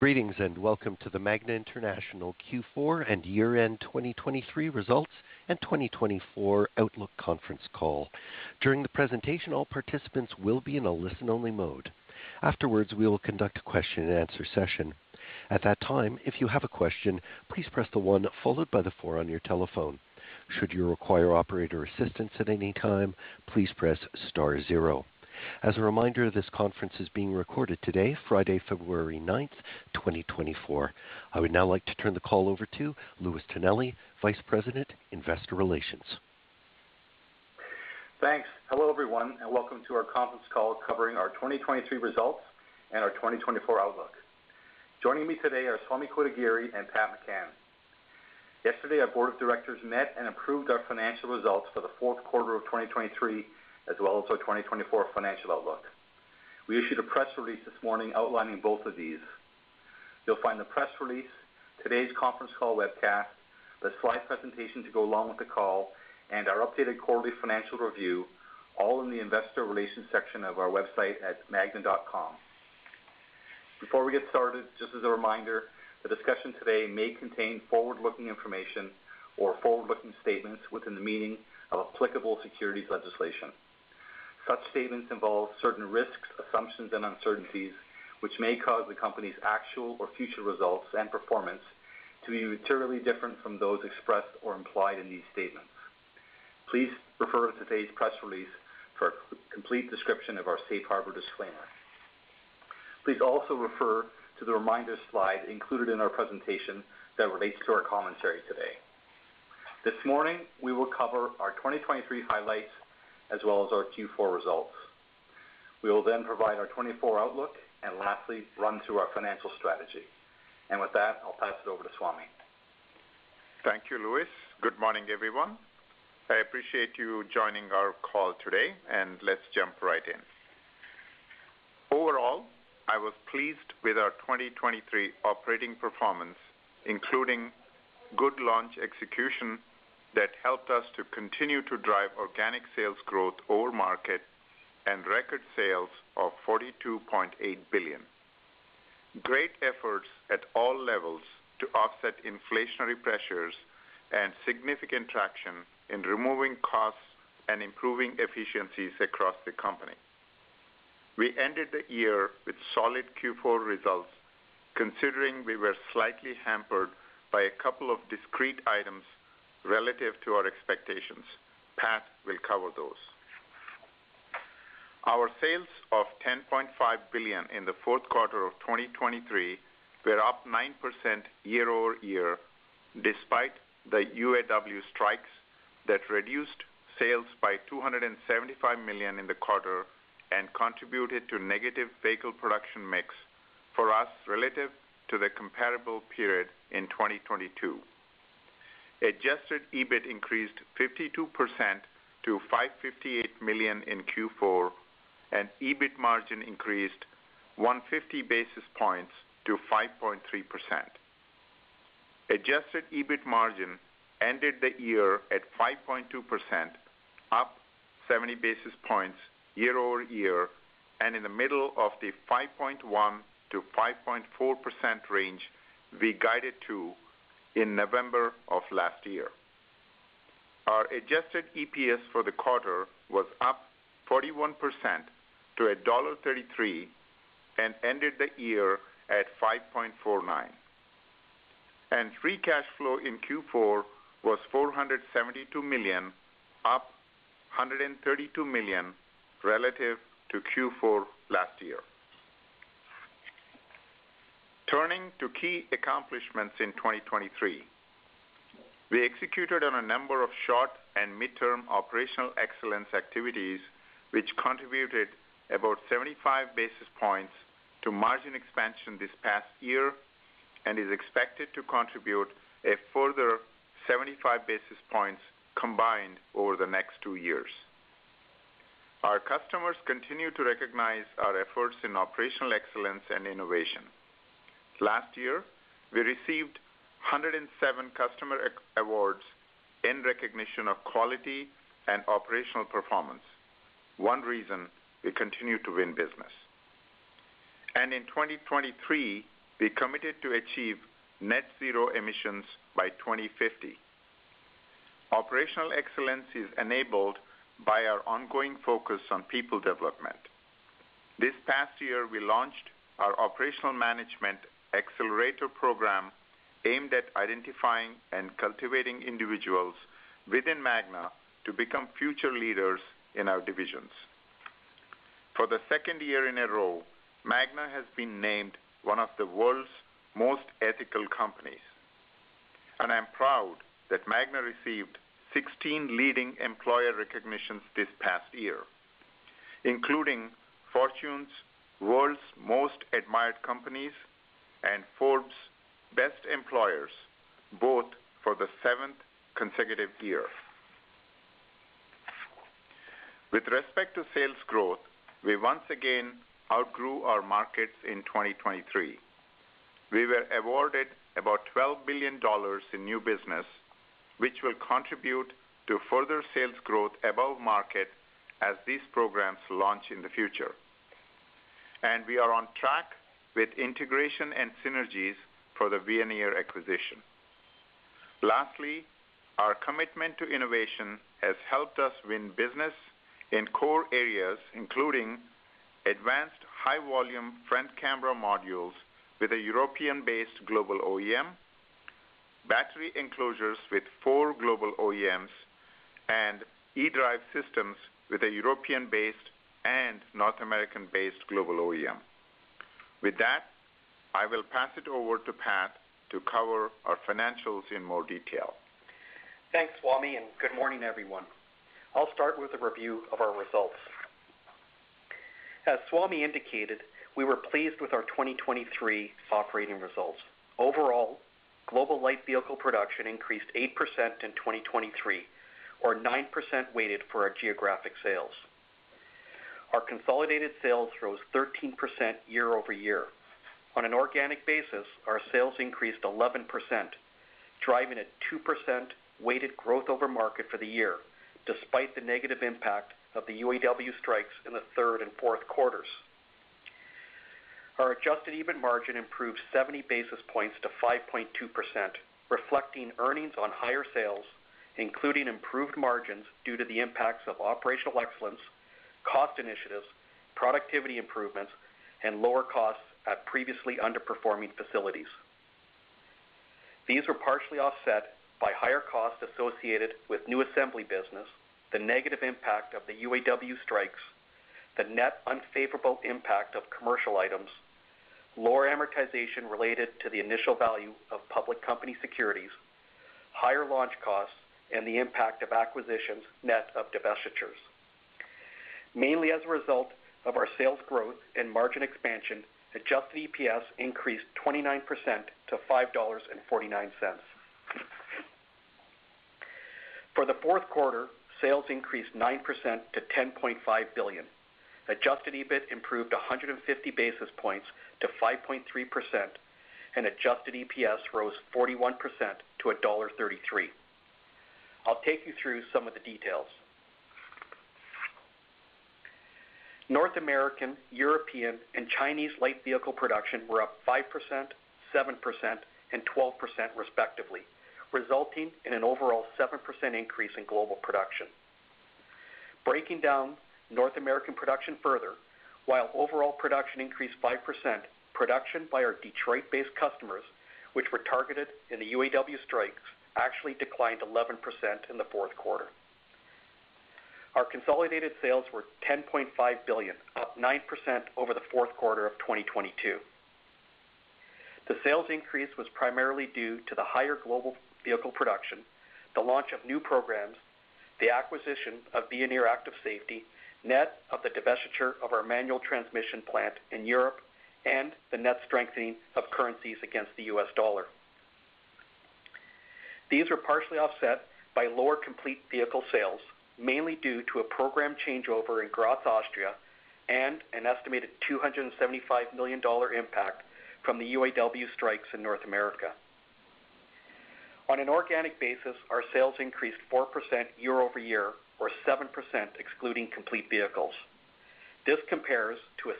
Greetings, and welcome to the Magna International Q4 and year-end 2023 results and 2024 outlook conference call. During the presentation, all participants will be in a listen-only mode. Afterwards, we will conduct a question-and-answer session. At that time, if you have a question, please press the 1 followed by the 4 on your telephone. Should you require operator assistance at any time, please press star 0. As a reminder, this conference is being recorded today, Friday, February 9, 2024. I would now like to turn the call over to Louis Tonelli, Vice President, Investor Relations. Thanks. Hello, everyone, and welcome to our conference call covering our 2023 results and our 2024 outlook. Joining me today are Swamy Kotagiri and Pat McCann. Yesterday, our board of directors met and approved our financial results for the fourth quarter of 2023, as well as our 2024 financial outlook. We issued a press release this morning outlining both of these. You'll find the press release, today's conference call webcast, the slide presentation to go along with the call, and our updated quarterly financial review, all in the investor relations section of our website at magna.com. Before we get started, just as a reminder, the discussion today may contain forward-looking information or forward-looking statements within the meaning of applicable securities legislation. Such statements involve certain risks, assumptions, and uncertainties which may cause the company's actual or future results and performance to be materially different from those expressed or implied in these statements. Please refer to today's press release for a complete description of our safe harbor disclaimer. Please also refer to the reminder slide included in our presentation that relates to our commentary today. This morning, we will cover our 2023 highlights as well as our Q4 results. We will then provide our 2024 outlook and lastly, run through our financial strategy. With that, I'll pass it over to Swamy. Thank you, Louis. Good morning, everyone. I appreciate you joining our call today, and let's jump right in. Overall, I was pleased with our 2023 operating performance, including good launch execution that helped us to continue to drive organic sales growth over market and record sales of $42.8 billion. Great efforts at all levels to offset inflationary pressures and significant traction in removing costs and improving efficiencies across the company. We ended the year with solid Q4 results, considering we were slightly hampered by a couple of discrete items relative to our expectations. Pat will cover those. Our sales of $10.5 billion in the fourth quarter of 2023 were up 9% year-over-year, despite the UAW strikes that reduced sales by $275 million in the quarter and contributed to negative vehicle production mix for us relative to the comparable period in 2022. Adjusted EBIT increased 52% to $558 million in Q4, and EBIT margin increased 150 basis points to 5.3%. Adjusted EBIT margin ended the year at 5.2%, up 70 basis points year-over-year, and in the middle of the 5.1%-5.4% range we guided to in November of last year. Our adjusted EPS for the quarter was up 41% to $1.33 and ended the year at $5.49. Free Cash Flow in Q4 was $472 million, up $132 million relative to Q4 last year. Turning to key accomplishments in 2023, we executed on a number of short and midterm Operational Excellence activities, which contributed about 75 basis points to margin expansion this past year and is expected to contribute a further 75 basis points combined over the next two years. Our customers continue to recognize our efforts in Operational Excellence and innovation. Last year, we received 107 customer awards in recognition of quality and operational performance. One reason we continue to win business. And in 2023, we committed to achieve net zero emissions by 2050. Operational Excellence is enabled by our ongoing focus on people development. This past year, we launched our Operational Management Accelerator program, aimed at identifying and cultivating individuals within Magna to become future leaders in our divisions. For the second year in a row, Magna has been named one of the world's most ethical companies, and I'm proud that Magna received 16 leading employer recognitions this past year, including Fortune's World's Most Admired Companies and Forbes Best Employers, both for the seventh consecutive year. With respect to sales growth, we once again outgrew our markets in 2023. We were awarded about $12 billion in new business, which will contribute to further sales growth above market as these programs launch in the future. We are on track with integration and synergies for the Veoneer acquisition. Lastly, our commitment to innovation has helped us win business in core areas, including advanced high-volume front camera modules with a European-based global OEM, battery enclosures with four global OEMs, and eDrive systems with a European-based and North American-based global OEM. With that, I will pass it over to Pat to cover our financials in more detail. Thanks, Swamy, and good morning, everyone. I'll start with a review of our results. As Swamy indicated, we were pleased with our 2023 operating results. Overall, global light vehicle production increased 8% in 2023, or 9% weighted for our geographic sales. Our consolidated sales rose 13% year-over-year. On an organic basis, our sales increased 11%, driving a 2% weighted growth over market for the year, despite the negative impact of the UAW strikes in the third and fourth quarters. Our adjusted EBIT margin improved 70 basis points to 5.2%, reflecting earnings on higher sales, including improved margins due to the impacts of operational excellence, cost initiatives, productivity improvements, and lower costs at previously underperforming facilities. These were partially offset by higher costs associated with new assembly business, the negative impact of the UAW strikes, the net unfavorable impact of commercial items, lower amortization related to the initial value of public company securities, higher launch costs, and the impact of acquisitions net of divestitures. Mainly as a result of our sales growth and margin expansion, adjusted EPS increased 29% to $5.49. For the fourth quarter, sales increased 9% to $10.5 billion. Adjusted EBIT improved 150 basis points to 5.3%, and adjusted EPS rose 41% to $1.33. I'll take you through some of the details. North American, European, and Chinese light vehicle production were up 5%, 7%, and 12%, respectively, resulting in an overall 7% increase in global production. Breaking down North American production further, while overall production increased 5%, production by our Detroit-based customers, which were targeted in the UAW strikes, actually declined 11% in the fourth quarter. Our consolidated sales were $10.5 billion, up 9% over the fourth quarter of 2022. The sales increase was primarily due to the higher global vehicle production, the launch of new programs, the acquisition of Veoneer Active Safety, net of the divestiture of our manual transmission plant in Europe, and the net strengthening of currencies against the U.S. dollar. These were partially offset by lower complete vehicle sales, mainly due to a program changeover in Graz, Austria, and an estimated $275 million impact from the UAW strikes in North America. On an organic basis, our sales increased 4% year-over-year, or 7% excluding complete vehicles. This compares to a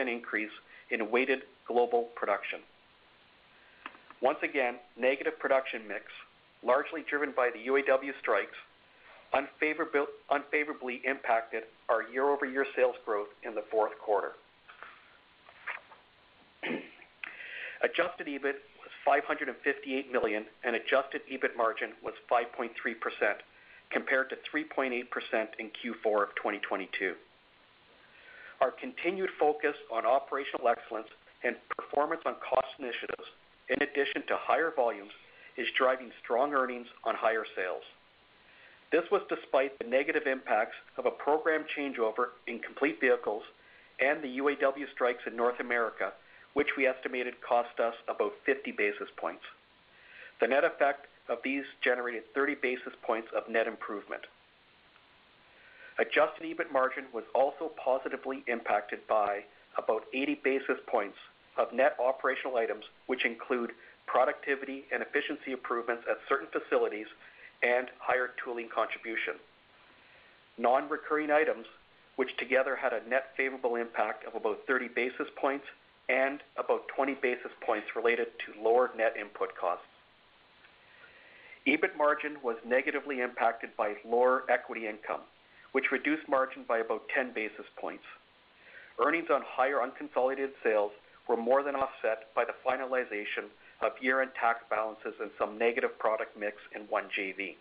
6% increase in weighted global production. Once again, negative production mix, largely driven by the UAW strikes, unfavorably, unfavorably impacted our year-over-year sales growth in the fourth quarter. Adjusted EBIT was $558 million, and adjusted EBIT margin was 5.3%, compared to 3.8% in Q4 of 2022. Our continued focus on operational excellence and performance on cost initiatives, in addition to higher volumes, is driving strong earnings on higher sales. This was despite the negative impacts of a program changeover in complete vehicles and the UAW strikes in North America, which we estimated cost us about 50 basis points. The net effect of these generated 30 basis points of net improvement. Adjusted EBIT margin was also positively impacted by about 80 basis points of net operational items, which include productivity and efficiency improvements at certain facilities and higher tooling contribution. Non-recurring items, which together had a net favorable impact of about 30 basis points and about 20 basis points related to lower net input costs. EBIT margin was negatively impacted by lower equity income, which reduced margin by about 10 basis points. Earnings on higher unconsolidated sales were more than offset by the finalization of year-end tax balances and some negative product mix in one JV.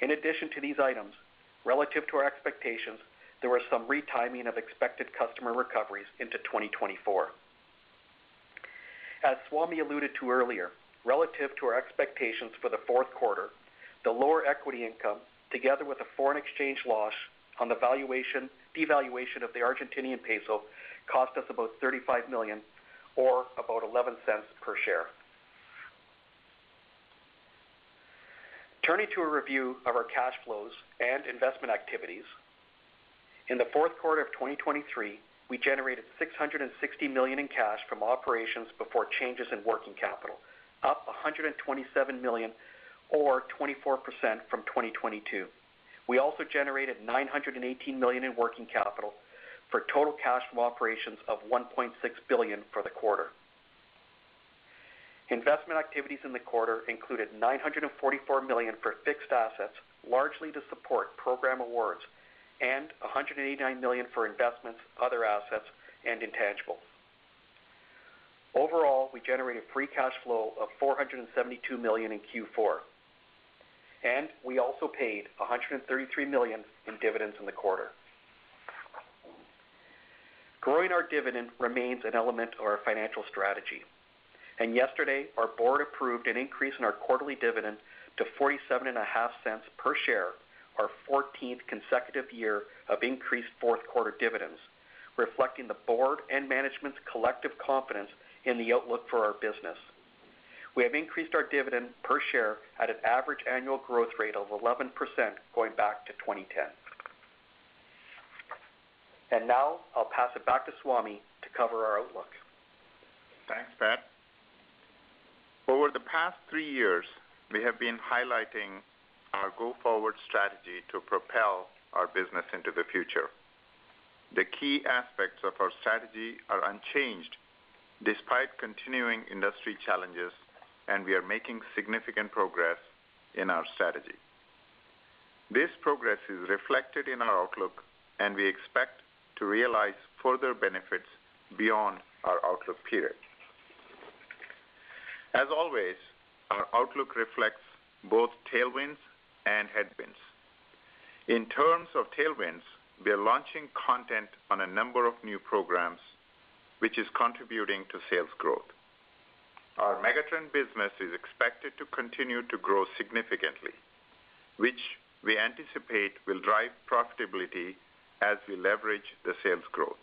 In addition to these items, relative to our expectations, there was some retiming of expected customer recoveries into 2024. As Swamy alluded to earlier, relative to our expectations for the fourth quarter, the lower equity income, together with a foreign exchange loss on the devaluation of the Argentine peso, cost us about $35 million or about $0.11 per share. Turning to a review of our cash flows and investment activities. In the fourth quarter of 2023, we generated $660 million in cash from operations before changes in working capital, up $127 million or 24% from 2022. We also generated $918 million in working capital for total cash from operations of $1.6 billion for the quarter. Investment activities in the quarter included $944 million for fixed assets, largely to support program awards, and $189 million for investments, other assets and intangible. Overall, we generated free cash flow of $472 million in Q4, and we also paid $133 million in dividends in the quarter. Growing our dividend remains an element of our financial strategy, and yesterday, our board approved an increase in our quarterly dividend to $0.475 per share, our fourteenth consecutive year of increased fourth quarter dividends, reflecting the board and management's collective confidence in the outlook for our business. We have increased our dividend per share at an average annual growth rate of 11%, going back to 2010. And now I'll pass it back to Swamy to cover our outlook. Thanks, Pat. Over the past three years, we have been highlighting our go-forward strategy to propel our business into the future. The key aspects of our strategy are unchanged despite continuing industry challenges, and we are making significant progress in our strategy. This progress is reflected in our outlook, and we expect to realize further benefits beyond our outlook period. As always, our outlook reflects both tailwinds and headwinds. In terms of tailwinds, we are launching content on a number of new programs, which is contributing to sales growth. Our megatrend business is expected to continue to grow significantly, which we anticipate will drive profitability as we leverage the sales growth.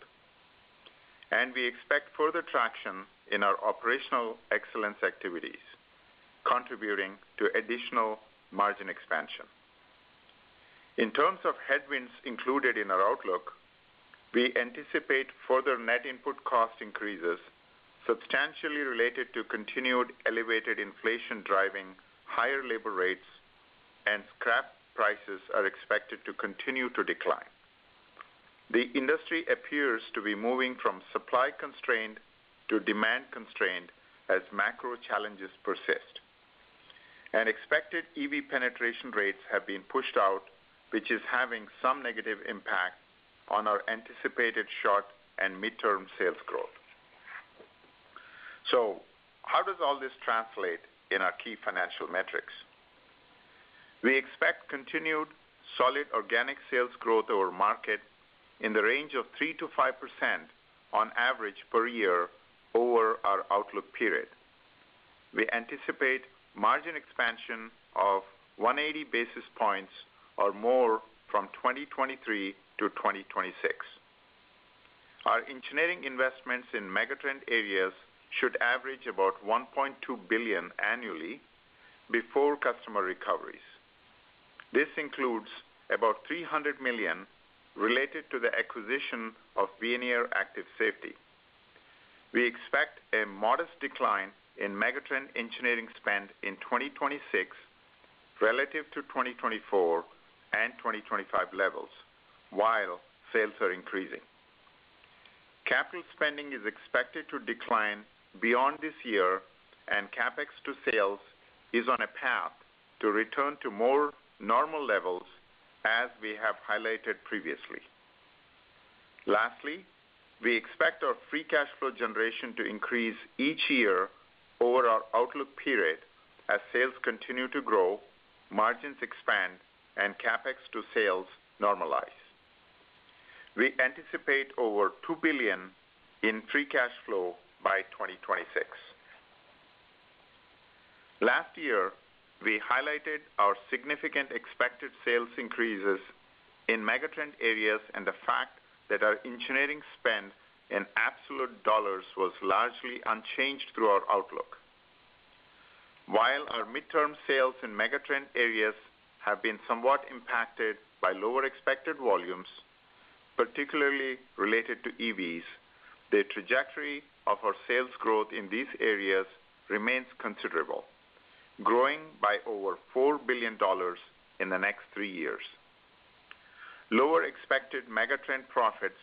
We expect further traction in our operational excellence activities, contributing to additional margin expansion. In terms of headwinds included in our outlook, we anticipate further net input cost increases substantially related to continued elevated inflation driving higher labor rates, and scrap prices are expected to continue to decline. The industry appears to be moving from supply constrained to demand constrained as macro challenges persist. Expected EV penetration rates have been pushed out, which is having some negative impact on our anticipated short- and midterm sales growth. So how does all this translate in our key financial metrics? We expect continued solid organic sales growth over market in the range of 3%-5% on average per year over our outlook period. We anticipate margin expansion of 180 basis points or more from 2023-2026. Our engineering investments in megatrend areas should average about $1.2 billion annually before customer recoveries. This includes about $300 million related to the acquisition of Veoneer Active Safety. We expect a modest decline in megatrend engineering spend in 2026 relative to 2024 and 2025 levels, while sales are increasing. Capital spending is expected to decline beyond this year, and CapEx to sales is on a path to return to more normal levels, as we have highlighted previously. Lastly, we expect our free cash flow generation to increase each year over our outlook period as sales continue to grow, margins expand and CapEx to sales normalize. We anticipate over $2 billion in free cash flow by 2026. Last year, we highlighted our significant expected sales increases in megatrend areas and the fact that our engineering spend in absolute dollars was largely unchanged through our outlook. While our midterm sales in Megatrend areas have been somewhat impacted by lower expected volumes, particularly related to EVs, the trajectory of our sales growth in these areas remains considerable, growing by over $4 billion in the next three years. Lower expected Megatrend profits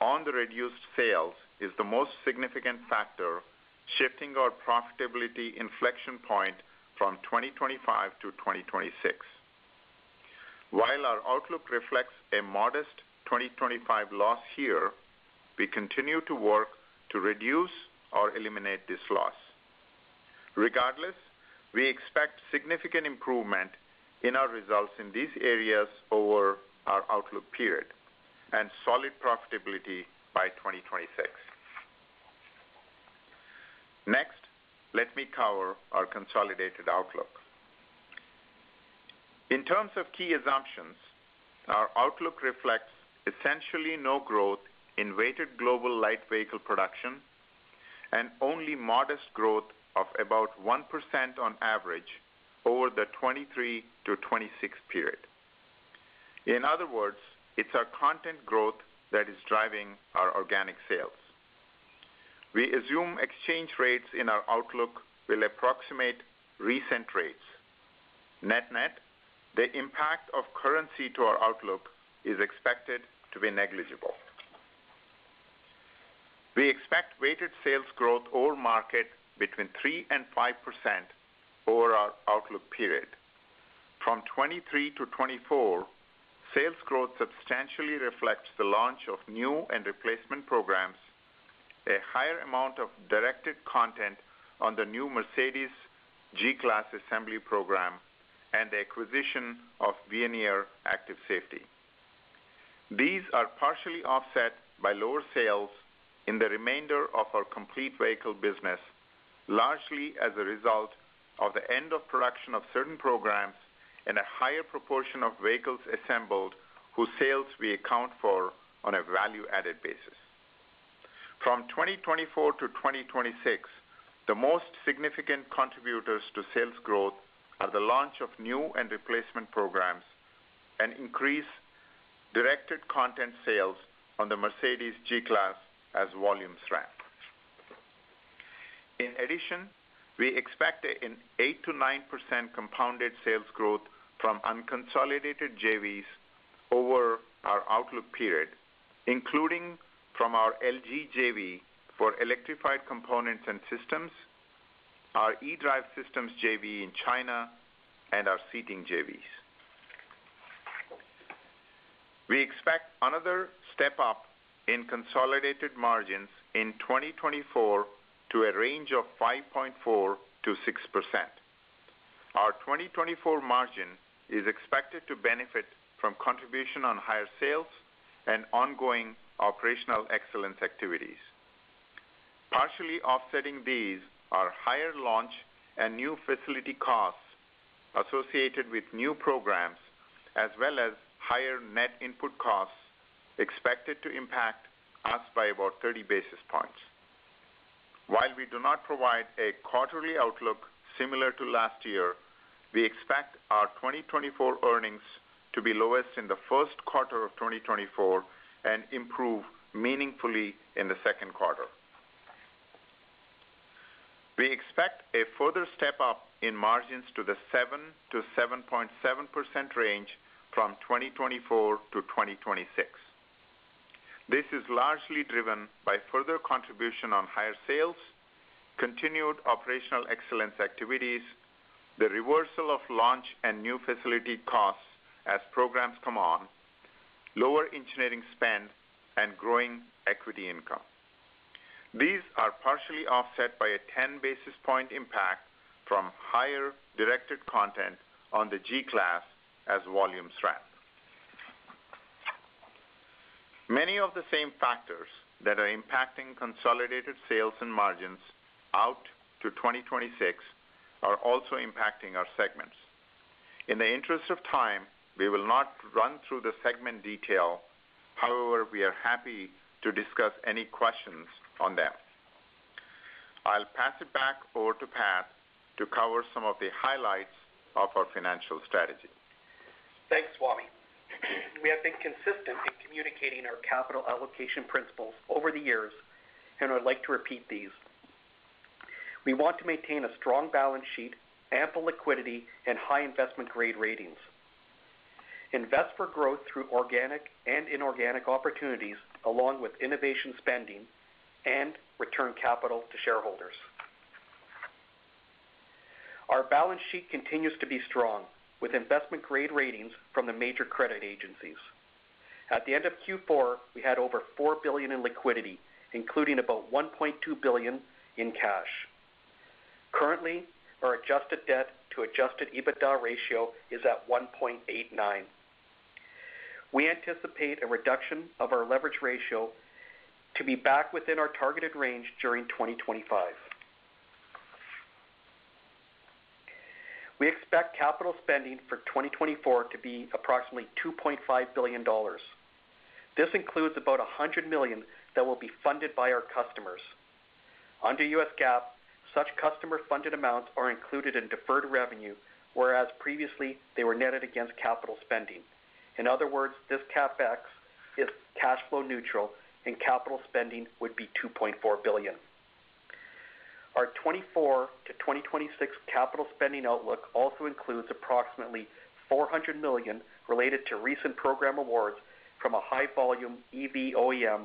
on the reduced sales is the most significant factor, shifting our profitability inflection point from 2025-2026. While our outlook reflects a modest 2025 loss here, we continue to work to reduce or eliminate this loss. Regardless, we expect significant improvement in our results in these areas over our outlook period and solid profitability by 2026. Next, let me cover our consolidated outlook. In terms of key assumptions, our outlook reflects essentially no growth in weighted global light vehicle production... and only modest growth of about 1% on average over the 2023-2026 period. In other words, it's our content growth that is driving our organic sales. We assume exchange rates in our outlook will approximate recent rates. Net net, the impact of currency to our outlook is expected to be negligible. We expect weighted sales growth or market between 3%-5% over our outlook period. From 2023-2024, sales growth substantially reflects the launch of new and replacement programs, a higher amount of directed content on the new Mercedes G-Class assembly program, and the acquisition of Veoneer Active Safety. These are partially offset by lower sales in the remainder of our complete vehicle business, largely as a result of the end of production of certain programs and a higher proportion of vehicles assembled, whose sales we account for on a value-added basis. From 2024 to 2026, the most significant contributors to sales growth are the launch of new and replacement programs and increase directed content sales on the Mercedes G-Class as volumes ramp. In addition, we expect an 8%-9% compounded sales growth from unconsolidated JVs over our outlook period, including from our LG JV for electrified components and systems, our eDrive Systems JV in China, and our seating JVs. We expect another step up in consolidated margins in 2024 to a range of 5.4%-6%. Our 2024 margin is expected to benefit from contribution on higher sales and ongoing Operational Excellence activities. Partially offsetting these are higher launch and new facility costs associated with new programs, as well as higher net input costs expected to impact us by about 30 basis points. While we do not provide a quarterly outlook similar to last year, we expect our 2024 earnings to be lowest in the first quarter of 2024 and improve meaningfully in the second quarter. We expect a further step up in margins to the 7%-7.7% range from 2024-2026. This is largely driven by further contribution on higher sales, continued operational excellence activities, the reversal of launch and new facility costs as programs come on, lower engineering spend, and growing equity income. These are partially offset by a 10 basis points impact from higher directed content on the G-Class as volumes ramp. Many of the same factors that are impacting consolidated sales and margins out to 2026 are also impacting our segments. In the interest of time, we will not run through the segment detail. However, we are happy to discuss any questions on them. I'll pass it back over to Pat to cover some of the highlights of our financial strategy. Thanks, Swamy. We have been consistent in communicating our capital allocation principles over the years, and I'd like to repeat these. We want to maintain a strong balance sheet, ample liquidity, and high investment-grade ratings, invest for growth through organic and inorganic opportunities, along with innovation spending and return capital to shareholders. Our balance sheet continues to be strong, with investment-grade ratings from the major credit agencies. At the end of Q4, we had over $4 billion in liquidity, including about $1.2 billion in cash. Currently, our adjusted debt to adjusted EBITDA ratio is at 1.89. We anticipate a reduction of our leverage ratio to be back within our targeted range during 2025. We expect capital spending for 2024 to be approximately $2.5 billion. This includes about $100 million that will be funded by our customers. Under U.S. GAAP, such customer-funded amounts are included in deferred revenue, whereas previously they were netted against capital spending. In other words, this CapEx is cash flow neutral and capital spending would be $2.4 billion. Our 2024-2026 capital spending outlook also includes approximately $400 million related to recent program awards from a high-volume EV OEM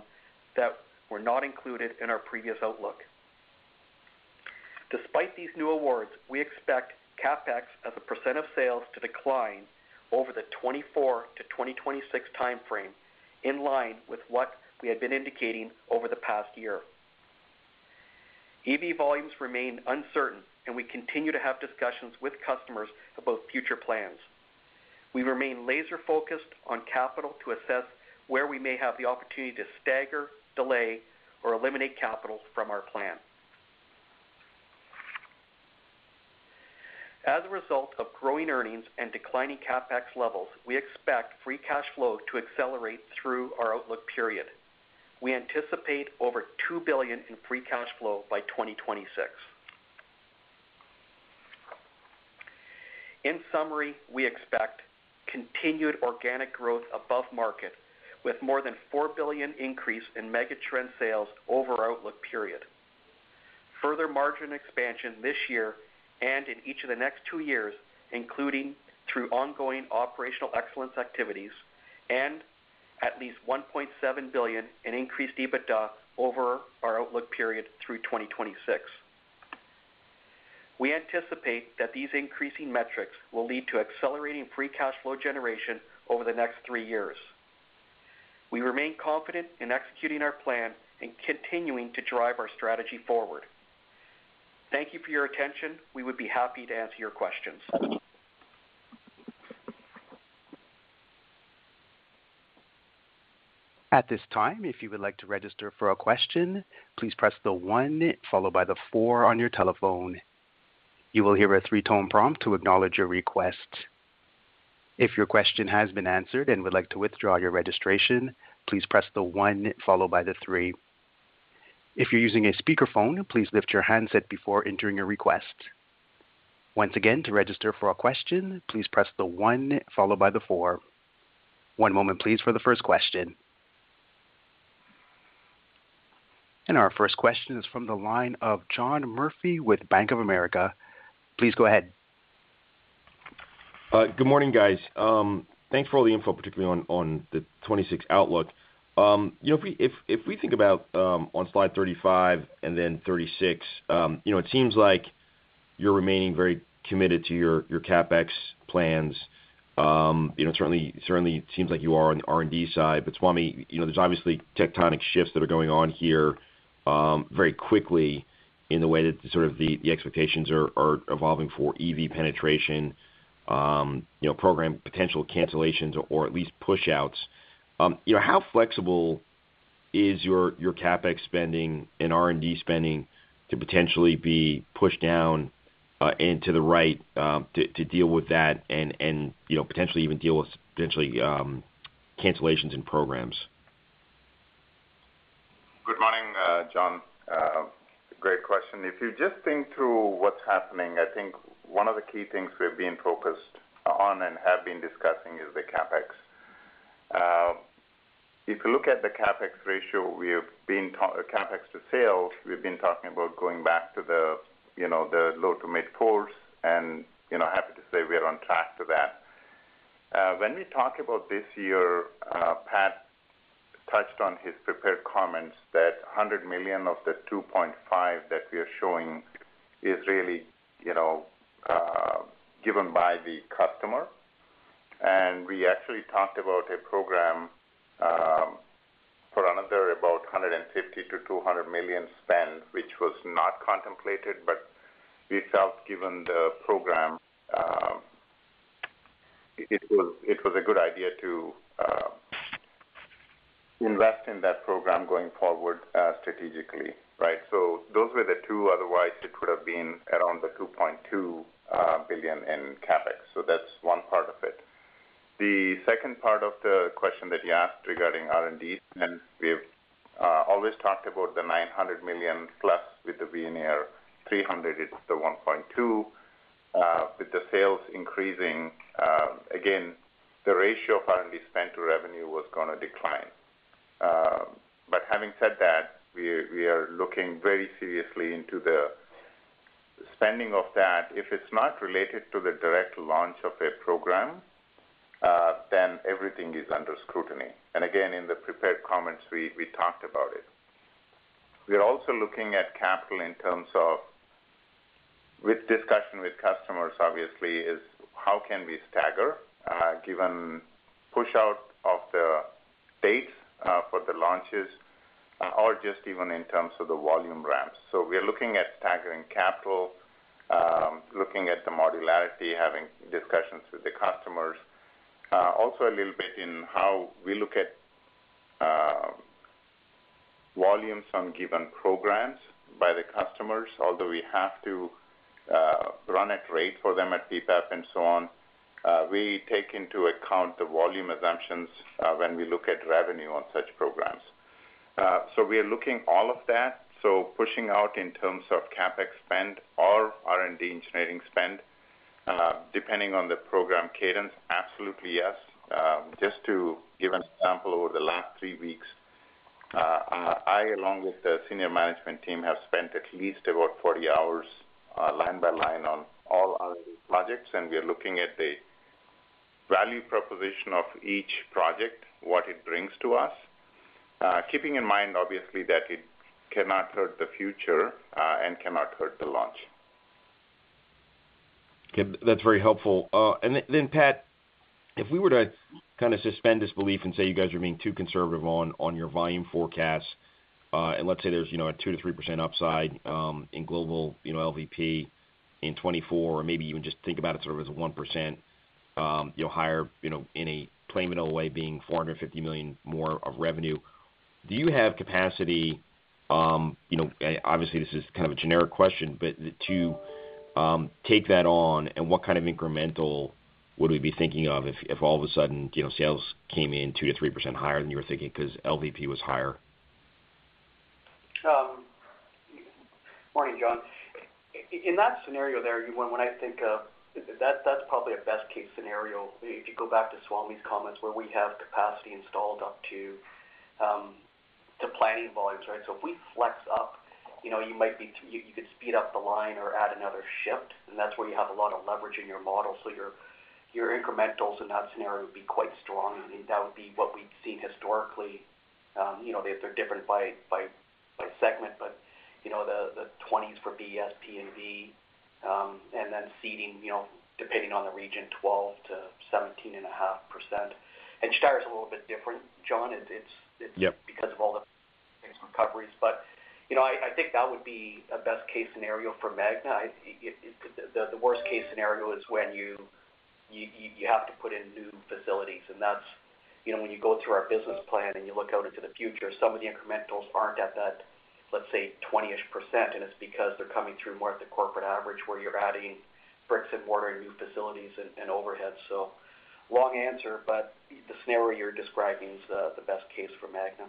that were not included in our previous outlook. Despite these new awards, we expect CapEx as a % of sales to decline over the 2024-2026 time frame, in line with what we had been indicating over the past year. EV volumes remain uncertain, and we continue to have discussions with customers about future plans. We remain laser-focused on capital to assess where we may have the opportunity to stagger, delay, or eliminate capital from our plan. As a result of growing earnings and declining CapEx levels, we expect free cash flow to accelerate through our outlook period. We anticipate over $2 billion in free cash flow by 2026. In summary, we expect continued organic growth above market, with more than $4 billion increase in megatrend sales over our outlook period. Further margin expansion this year and in each of the next two years, including through ongoing operational excellence activities, and at least $1.7 billion in increased EBITDA over our outlook period through 2026. We anticipate that these increasing metrics will lead to accelerating free cash flow generation over the next three years. We remain confident in executing our plan and continuing to drive our strategy forward. Thank you for your attention. We would be happy to answer your questions. At this time, if you would like to register for a question, please press the one followed by the four on your telephone. You will hear a three-tone prompt to acknowledge your request. If your question has been answered and would like to withdraw your registration, please press the one followed by the three. If you're using a speakerphone, please lift your handset before entering your request. Once again, to register for a question, please press the one followed by the four. One moment, please, for the first question. Our first question is from the line of John Murphy with Bank of America. Please go ahead. Good morning, guys. Thanks for all the info, particularly on the 2026 outlook. You know, if we think about on slide 35 and then 36, you know, it seems like you're remaining very committed to your CapEx plans. You know, certainly seems like you are on the R&D side. But Swamy, you know, there's obviously tectonic shifts that are going on here very quickly in the way that sort of the expectations are evolving for EV penetration, you know, program potential cancellations or at least pushouts. You know, how flexible is your CapEx spending and R&D spending to potentially be pushed down and to the right to deal with that and, you know, potentially even deal with potentially cancellations in programs? Good morning, John. Great question. If you just think through what's happening, I think one of the key things we've been focused on and have been discussing is the CapEx. If you look at the CapEx ratio, we have been talking about CapEx to sales, we've been talking about going back to the, you know, the low- to mid-fours and, you know, happy to say we are on track to that. When we talk about this year, Pat touched on his prepared comments that $100 million of the $2.5 billion that we are showing is really, you know, given by the customer. We actually talked about a program for another about $150 million-$200 million spend, which was not contemplated, but we felt given the program, it was a good idea to invest in that program going forward strategically, right? So those were the two; otherwise, it would have been around the $2.2 billion in CapEx. So that's one part of it. The second part of the question that you asked regarding R&D, and we've always talked about the $900 million plus with the VNR, $300, it's the $1.2. With the sales increasing, again, the ratio of R&D spend to revenue was gonna decline. But having said that, we are looking very seriously into the spending of that. If it's not related to the direct launch of a program, then everything is under scrutiny. And again, in the prepared comments, we talked about it. We are also looking at capital in terms of with discussion with customers, obviously, is how can we stagger, given pushout of the dates, for the launches or just even in terms of the volume ramps. So we are looking at staggering capital, looking at the modularity, having discussions with the customers. Also a little bit in how we look at volumes on given programs by the customers. Although we have to run at rate for them at PPAP and so on, we take into account the volume assumptions, when we look at revenue on such programs. So we are looking all of that. So pushing out in terms of CapEx spend or R&D engineering spend, depending on the program cadence, absolutely, yes. Just to give an example, over the last three weeks, I, along with the senior management team, have spent at least about 40 hours, line by line on all our projects, and we are looking at the value proposition of each project, what it brings to us. Keeping in mind, obviously, that it cannot hurt the future, and cannot hurt the launch. Okay. That's very helpful. And then, Pat, if we were to kind of suspend disbelief and say you guys are being too conservative on your volume forecasts, and let's say there's, you know, a 2%-3% upside, in global, you know, LVP in 2024, or maybe even just think about it sort of as a 1%, you're higher, you know, in a claim in a way being $450 million more of revenue... Do you have capacity, you know, obviously, this is kind of a generic question, but to take that on, and what kind of incremental would we be thinking of if, if all of a sudden, you know, sales came in 2%-3% higher than you were thinking because LVP was higher? Morning, John. In that scenario there, when I think of that, that's probably a best case scenario. If you go back to Swamy's comments, where we have capacity installed up to planning volumes, right? So if we flex up, you know, you might be, you could speed up the line or add another shift, and that's where you have a lot of leverage in your model. So your incrementals in that scenario would be quite strong, and that would be what we've seen historically. You know, they're different by segment, but you know, the 20s for BES and P&V, and then seating, you know, depending on the region, 12%-17.5%. And start is a little bit different, John. It's- Yep. because of all the recoveries. But, you know, I think that would be a best case scenario for Magna. The worst case scenario is when you have to put in new facilities, and that's... You know, when you go through our business plan and you look out into the future, some of the incrementals aren't at that, let's say, 20-ish%, and it's because they're coming through more at the corporate average, where you're adding bricks and mortar and new facilities and overheads. So long answer, but the scenario you're describing is the best case for Magna.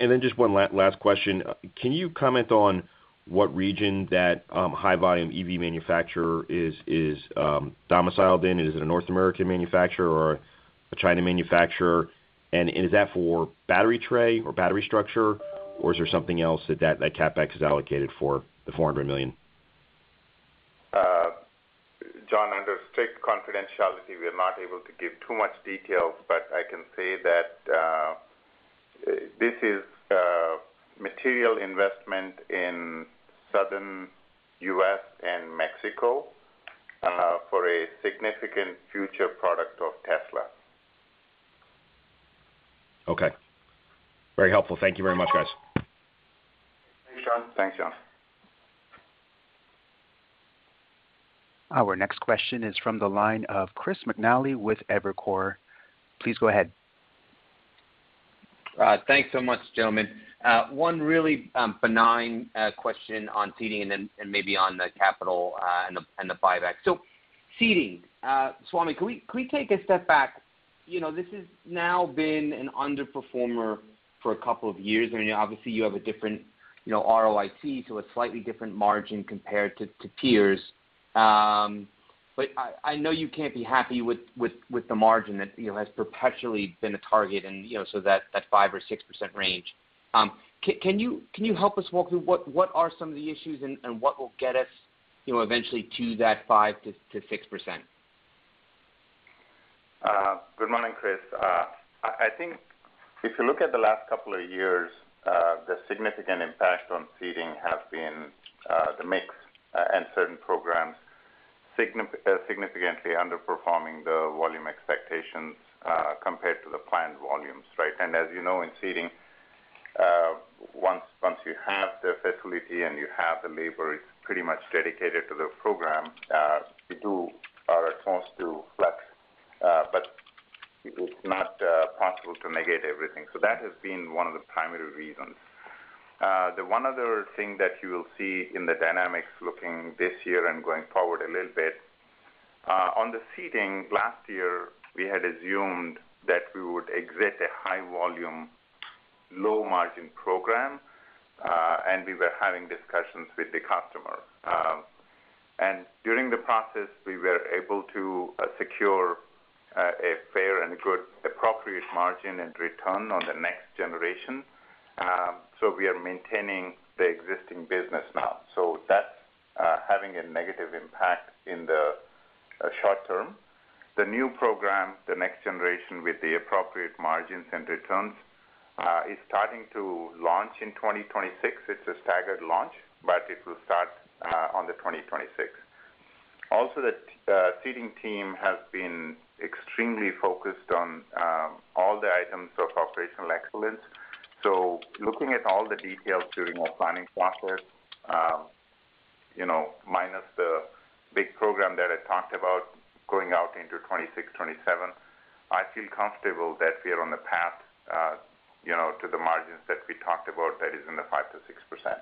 And then just one last question. Can you comment on what region that high volume EV manufacturer is domiciled in? Is it a North American manufacturer or a China manufacturer? And is that for battery tray or battery structure, or is there something else that CapEx is allocated for the $400 million? John, under strict confidentiality, we are not able to give too much details, but I can say that this is material investment in Southern U.S. and Mexico for a significant future product of Tesla. Okay. Very helpful. Thank you very much, guys. Thanks, John. Thanks, John. Our next question is from the line of Chris McNally with Evercore. Please go ahead. Thanks so much, gentlemen. One really benign question on seating and then maybe on the capital and the buyback. So seating, Swami, can we take a step back? You know, this has now been an underperformer for a couple of years, and obviously, you have a different, you know, ROIT, so a slightly different margin compared to peers. But I know you can't be happy with the margin that, you know, has perpetually been a target and, you know, so that 5%-6% range. Can you help us walk through what are some of the issues and what will get us, you know, eventually to that 5%-6%? Good morning, Chris. I think if you look at the last couple of years, the significant impact on seating have been, the mix, and certain programs, significantly underperforming the volume expectations, compared to the planned volumes, right? And as you know, in seating, once you have the facility and you have the labor, it's pretty much dedicated to the program, we do our response to flex, but it's not possible to negate everything. So that has been one of the primary reasons. The one other thing that you will see in the dynamics looking this year and going forward a little bit, on the seating, last year, we had assumed that we would exit a high volume, low margin program, and we were having discussions with the customer. And during the process, we were able to secure a fair and good appropriate margin and return on the next generation. So we are maintaining the existing business now. So that's having a negative impact in the short term. The new program, the next generation with the appropriate margins and returns, is starting to launch in 2026. It's a staggered launch, but it will start on the 2026. Also, the seating team has been extremely focused on all the items of Operational Excellence. So looking at all the details during our planning process, you know, minus the big program that I talked about going out into 26, 27, I feel comfortable that we are on the path, you know, to the margins that we talked about, that is in the 5%-6%.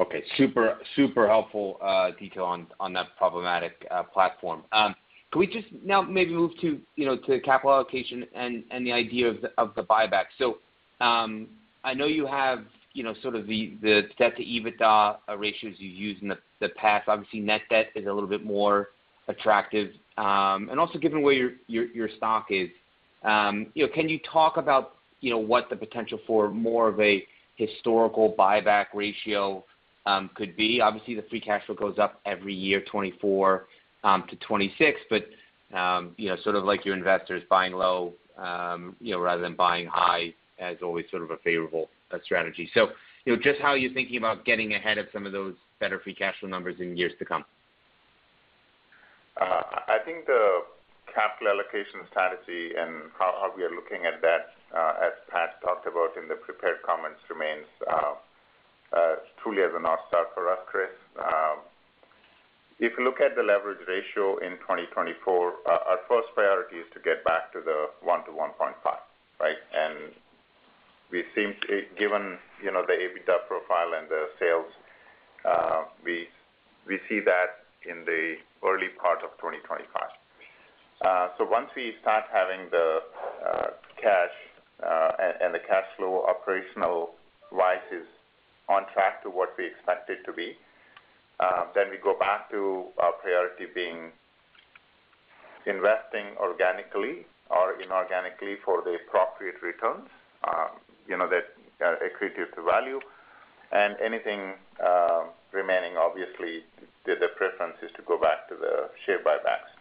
Okay, super, super helpful, detail on, on that problematic, platform. Can we just now maybe move to, you know, to capital allocation and, and the idea of the, of the buyback? So, I know you have, you know, sort of the, the debt to EBITDA ratios you used in the, the past. Obviously, net debt is a little bit more attractive, and also given where your, your, your stock is, you know, can you talk about, you know, what the potential for more of a historical buyback ratio, could be? Obviously, the free cash flow goes up every year, 2024-2026, but, you know, sort of like your investors buying low, you know, rather than buying high as always sort of a favorable, strategy. you know, just how are you thinking about getting ahead of some of those better free cash flow numbers in years to come? I think the capital allocation strategy and how we are looking at that, as Pat talked about in the prepared comments, remains truly as a North Star for us, Chris. If you look at the leverage ratio in 2024, our first priority is to get back to the 1-1.5, right? And we seem to—given, you know, the EBITDA profile and the sales, we see that in the early part of 2025. So once we start having the cash and the cash flow operational rises on track to what we expect it to be, then we go back to our priority being investing organically or inorganically for the appropriate returns, you know, that are accretive to value. Anything remaining, obviously, the preference is to go back to the share buybacks.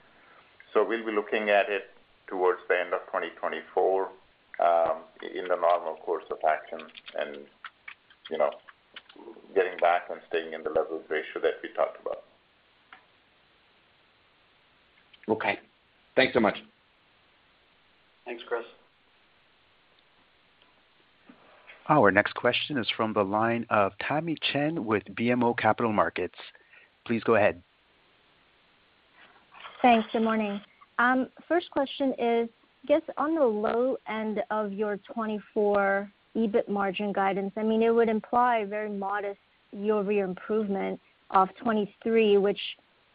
So we'll be looking at it towards the end of 2024, in the normal course of action, and, you know, getting back and staying in the leverage ratio that we talked about. Okay, thanks so much. Thanks, Chris. Our next question is from the line of Tamy Chen with BMO Capital Markets. Please go ahead. Thanks. Good morning. First question is, I guess on the low end of your 2024 EBIT margin guidance, I mean, it would imply very modest year-over-year improvement of 2023, which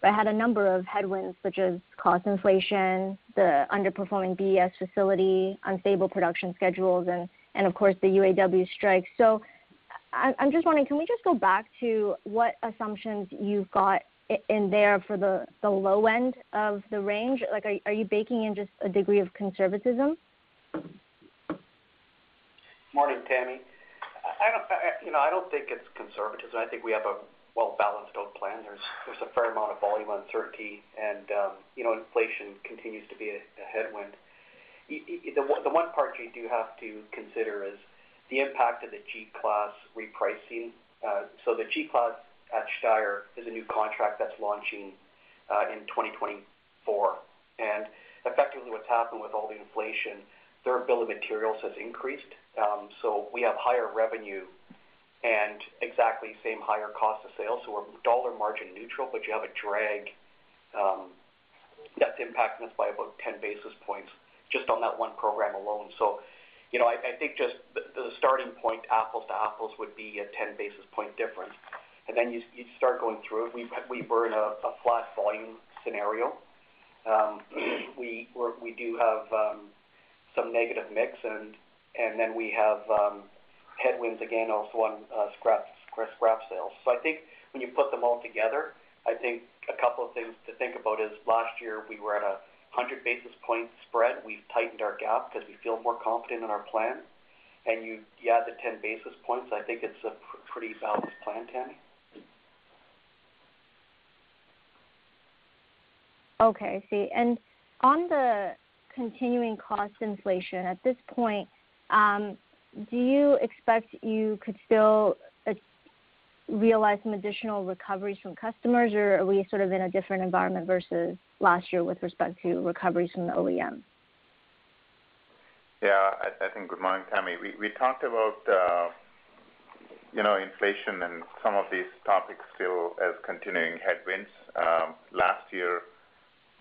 I had a number of headwinds, such as cost inflation, the underperforming BES facility, unstable production schedules, and, and of course, the UAW strike. So I, I'm just wondering, can we just go back to what assumptions you've got in there for the, the low end of the range? Like, are, are you baking in just a degree of conservatism? Morning, Tamy. I don't, you know, I don't think it's conservatism. I think we have a well-balanced out plan. There's a fair amount of volume uncertainty, and, you know, inflation continues to be a headwind. The one part you do have to consider is the impact of the G-Class repricing. So the G-Class at Steyr is a new contract that's launching in 2024. And effectively, what's happened with all the inflation, their bill of materials has increased. So we have higher revenue and exactly same higher cost of sales. So we're dollar margin neutral, but you have a drag that's impacting us by about 10 basis points, just on that one program alone. So, you know, I think just the starting point, apples to apples, would be a 10 basis point difference. And then you start going through it. We were in a flat volume scenario. We do have some negative mix, and then we have headwinds again, also on scrap sales. So I think when you put them all together, I think a couple of things to think about is last year we were at 100 basis point spread. We've tightened our gap because we feel more confident in our plan. You add the 10 basis points, I think it's a pretty balanced plan, Tammy. Okay, I see. And on the continuing cost inflation, at this point, do you expect you could still realize some additional recoveries from customers, or are we sort of in a different environment versus last year with respect to recoveries from the OEM? Yeah, I think, good morning, Tamy. We talked about, you know, inflation and some of these topics still as continuing headwinds. Last year,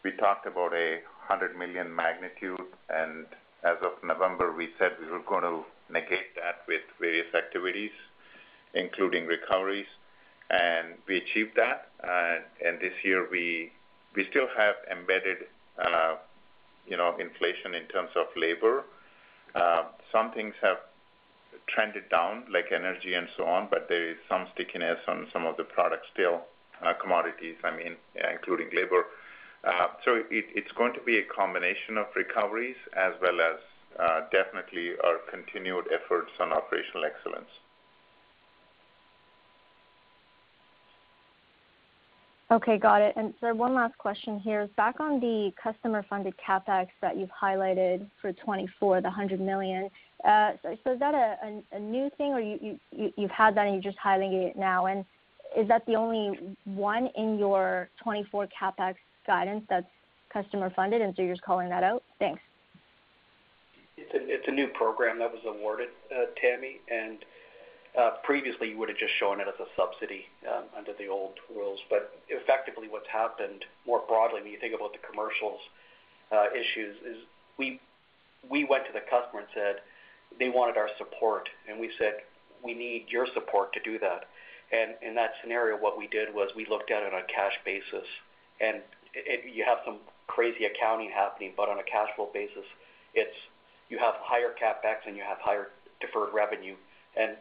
we talked about $100 million magnitude, and as of November, we said we were gonna negate that with various activities, including recoveries, and we achieved that. And this year, we still have embedded, you know, inflation in terms of labor. Some things have trended down, like energy and so on, but there is some stickiness on some of the products still, commodities, I mean, including labor. So it's going to be a combination of recoveries as well as definitely our continued efforts on Operational Excellence. Okay, got it. Sir, one last question here. Back on the customer-funded CapEx that you've highlighted for 2024, the $100 million. So is that a new thing or you, you, you've had that and you're just highlighting it now? Is that the only one in your 2024 CapEx guidance that's customer funded, and so you're just calling that out? Thanks. It's a new program that was awarded, Tammy, and previously, you would have just shown it as a subsidy under the old rules. But effectively, what's happened more broadly when you think about the commercial issues is we went to the customer and said they wanted our support, and we said, "We need your support to do that." And in that scenario, what we did was we looked at it on a cash basis, and you have some crazy accounting happening, but on a cash flow basis, it's you have higher CapEx, and you have higher deferred revenue, and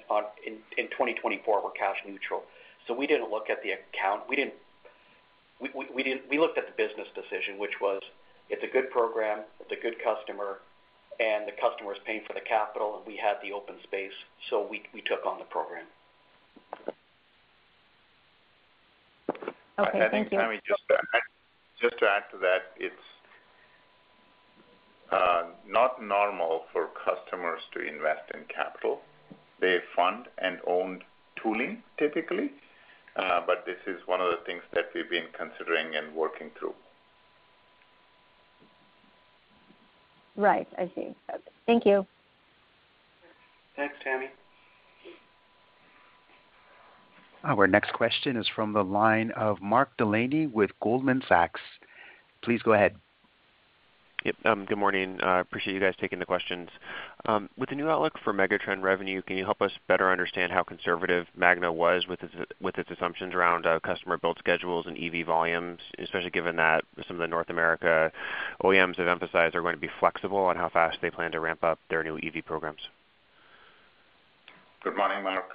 in 2024, we're cash neutral. So we didn't look at the account. We didn't—we looked at the business decision, which was, it's a good program, it's a good customer, and the customer is paying for the capital, and we had the open space, so we took on the program. Okay, thank you. I think, Tammy, just to add, just to add to that, it's not normal for customers to invest in capital. They fund and own tooling, typically, but this is one of the things that we've been considering and working through.... Right, I see. Thank you. Thanks, Tamy. Our next question is from the line of Mark Delaney with Goldman Sachs. Please go ahead. Yep, good morning. Appreciate you guys taking the questions. With the new outlook for Megatrend revenue, can you help us better understand how conservative Magna was with its, with its assumptions around customer build schedules and EV volumes, especially given that some of the North America OEMs have emphasized they're going to be flexible on how fast they plan to ramp up their new EV programs? Good morning, Mark.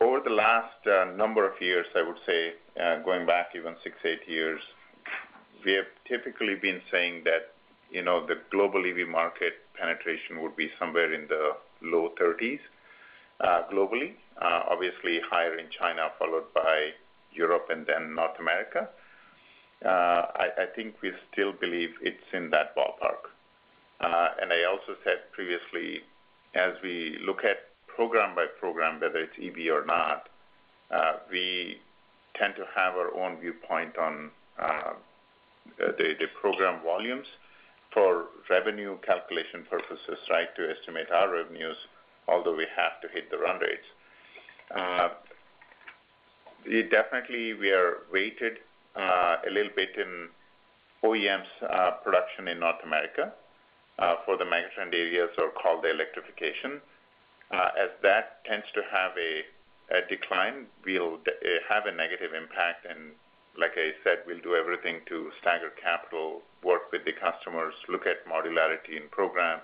Over the last number of years, I would say, going back even 6, 8 years, we have typically been saying that, you know, the global EV market penetration would be somewhere in the low 30s, globally. Obviously, higher in China, followed by Europe and then North America. I think we still believe it's in that ballpark. And I also said previously, as we look at program by program, whether it's EV or not, we tend to have our own viewpoint on the program volumes for revenue calculation purposes, right? To estimate our revenues, although we have to hit the run rates. We definitely are weighted a little bit in OEMs production in North America for the megatrend areas or call the electrification. As that tends to have a decline, we'll, it have a negative impact, and like I said, we'll do everything to stagger capital, work with the customers, look at modularity and program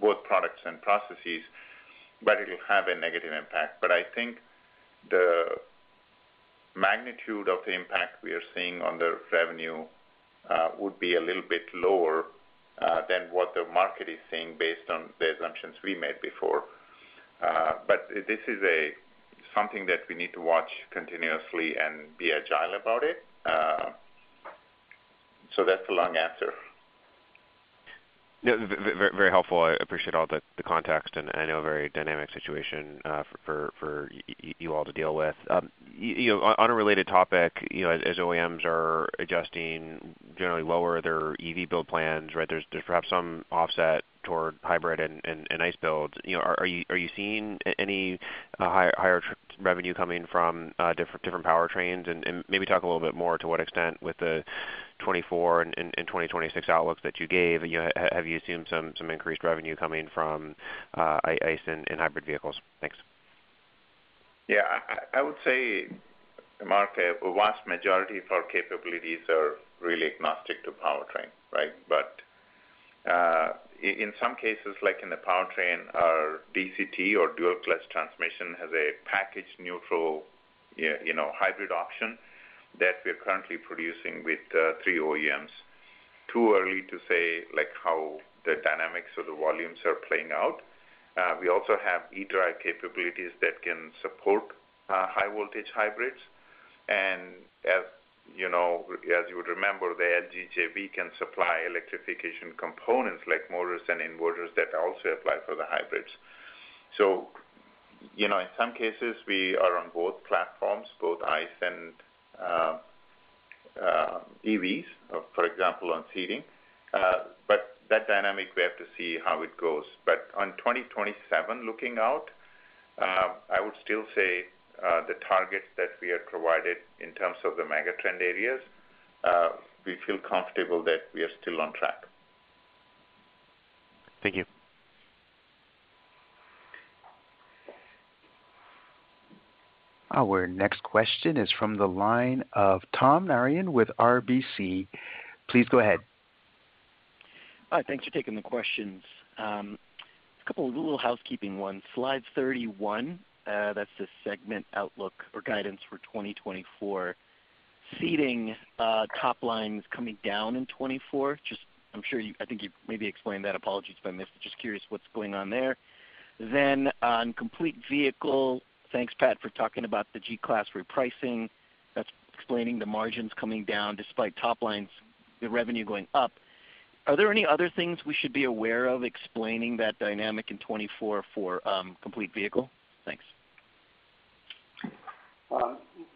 both products and processes, but it'll have a negative impact. But I think the magnitude of the impact we are seeing on the revenue would be a little bit lower than what the market is seeing based on the assumptions we made before. But this is something that we need to watch continuously and be agile about it. So that's the long answer. Yeah, very helpful. I appreciate all the, the context, and I know a very dynamic situation, for, for you all to deal with. You know, on, on a related topic, you know, as, as OEMs are adjusting, generally lower their EV build plans, right, there's perhaps some offset toward hybrid and, and, and ICE builds. You know, are, are you, are you seeing any, higher, higher revenue coming from, different, different powertrains? And, and maybe talk a little bit more to what extent with the 2024 and, and, and 2026 outlooks that you gave, you know, have you seen some, some increased revenue coming from, ICE and, and hybrid vehicles? Thanks. Yeah, I would say, Mark, a vast majority of our capabilities are really agnostic to powertrain, right? But, in some cases, like in the powertrain, our DCT or dual-clutch transmission has a package neutral, yeah, you know, hybrid option that we're currently producing with three OEMs. Too early to say, like, how the dynamics of the volumes are playing out. We also have eDrive capabilities that can support high voltage hybrids. And as you know, as you would remember, the LGJV can supply electrification components like motors and inverters that also apply for the hybrids. So, you know, in some cases we are on both platforms, both ICE and EVs, for example, on seating. But that dynamic, we have to see how it goes. But on 2027 looking out, I would still say, the targets that we have provided in terms of the megatrend areas, we feel comfortable that we are still on track. Thank you. Our next question is from the line of Tom Narayan with RBC. Please go ahead. Hi, thanks for taking the questions. A couple of little housekeeping ones. Slide 31, that's the segment outlook or guidance for 2024. Seating, top line is coming down in 2024. Just, I'm sure you—I think you maybe explained that. Apologies if I missed it. Just curious what's going on there. Then on complete vehicle, thanks, Pat, for talking about the G-Class repricing. That's explaining the margins coming down despite top lines, the revenue going up. Are there any other things we should be aware of explaining that dynamic in 2024 for complete vehicle? Thanks.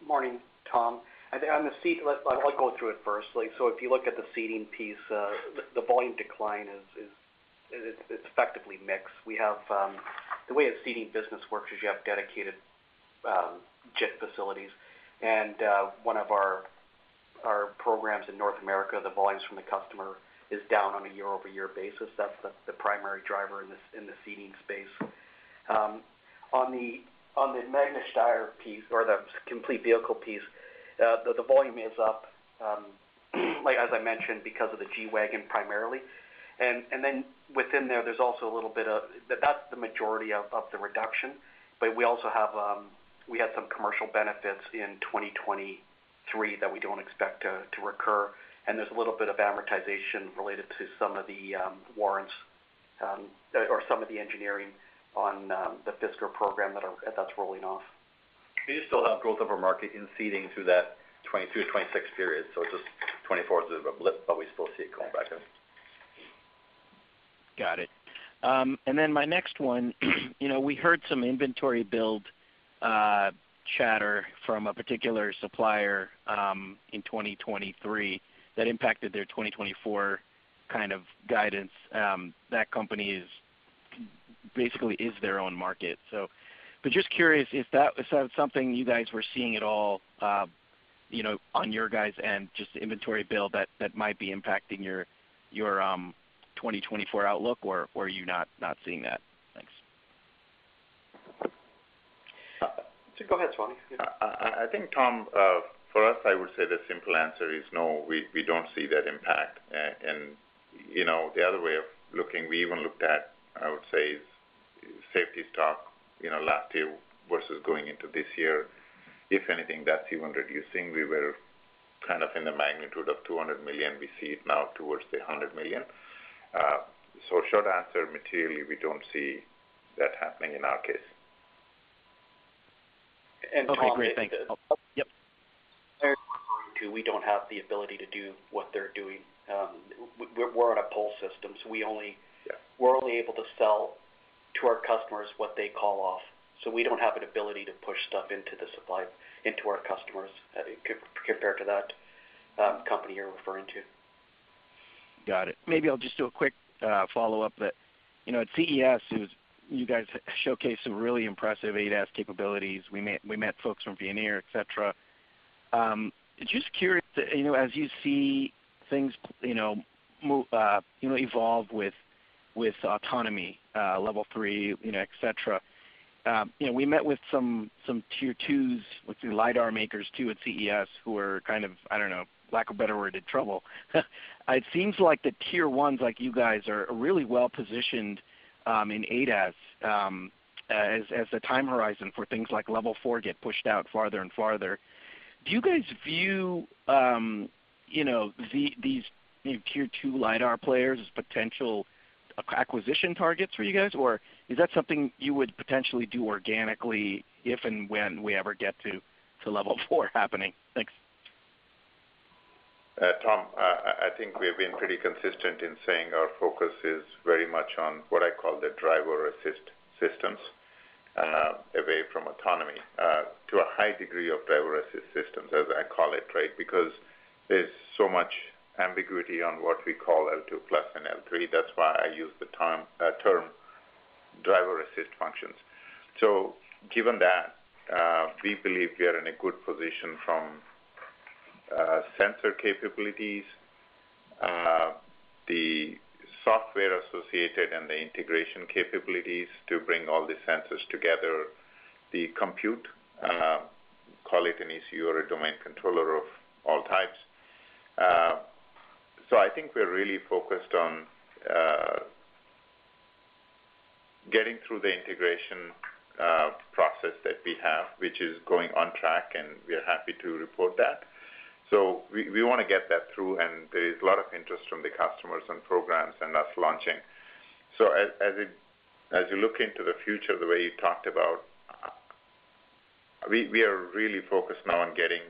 Morning, Tom. I think on the seating, let's go through it firstly. So if you look at the seating piece, the volume decline is effectively mixed. We have, the way a seating business works is you have dedicated JIT facilities, and one of our programs in North America, the volumes from the customer is down on a year-over-year basis. That's the primary driver in the seating space. On the Magna Steyr piece or the complete vehicle piece, the volume is up, as I mentioned, because of the G-Wagon, primarily. And then within there, there's also a little bit of... But that's the majority of the reduction. But we also have, we had some commercial benefits in 2023 that we don't expect to recur, and there's a little bit of amortization related to some of the warrants or some of the engineering on the Fisker program that's rolling off. We still have growth of our market in seating through that 2022-2026 period, so it's just 2024 is a blip, but we still see it going back in.... Got it. And then my next one, you know, we heard some inventory build chatter from a particular supplier in 2023 that impacted their 2024 kind of guidance. That company is, basically is their own market. So, but just curious if that is something you guys were seeing at all, you know, on your guys' end, just inventory build that might be impacting your 2024 outlook, or are you not seeing that? Thanks. Go ahead, Swamy. I think, Tom, for us, I would say the simple answer is no, we don't see that impact. And, you know, the other way of looking, we even looked at, I would say, safety stock, you know, last year versus going into this year. If anything, that's even reducing. We were kind of in the magnitude of $200 million. We see it now towards the $100 million. So short answer, materially, we don't see that happening in our case. And Tom- Okay, great. Thank you. Yep. We don't have the ability to do what they're doing. We're on a pull system, so we only- Yeah. We're only able to sell to our customers what they call off, so we don't have an ability to push stuff into the supply, into our customers, compared to that company you're referring to. Got it. Maybe I'll just do a quick follow-up that, you know, at CES, it was, you guys showcased some really impressive ADAS capabilities. We met folks from Veoneer, et cetera. Just curious, you know, as you see things, you know, evolve with, with autonomy, Level 3, you know, et cetera. You know, we met with some tier twos, with the LiDAR makers, too, at CES, who were kind of, I don't know, lack of a better word, in trouble. It seems like the tier ones, like you guys, are really well positioned in ADAS, as the time horizon for things like Level 4 get pushed out farther and farther. Do you guys view, you know, the, these tier two LiDAR players as potential acquisition targets for you guys? Or is that something you would potentially do organically if and when we ever get to level four happening? Thanks. Tom, I think we've been pretty consistent in saying our focus is very much on what I call the driver assist systems, away from autonomy, to a high degree of driver assist systems, as I call it, right? Because there's so much ambiguity on what we call L2 plus and L3. That's why I use the term driver assist functions. So given that, we believe we are in a good position from sensor capabilities, the software associated and the integration capabilities to bring all the sensors together, the compute, call it an ECU or a domain controller of all types. So I think we're really focused on getting through the integration process that we have, which is going on track, and we are happy to report that. So we wanna get that through, and there is a lot of interest from the customers and programs and us launching. So as you look into the future, the way you talked about, we are really focused now on getting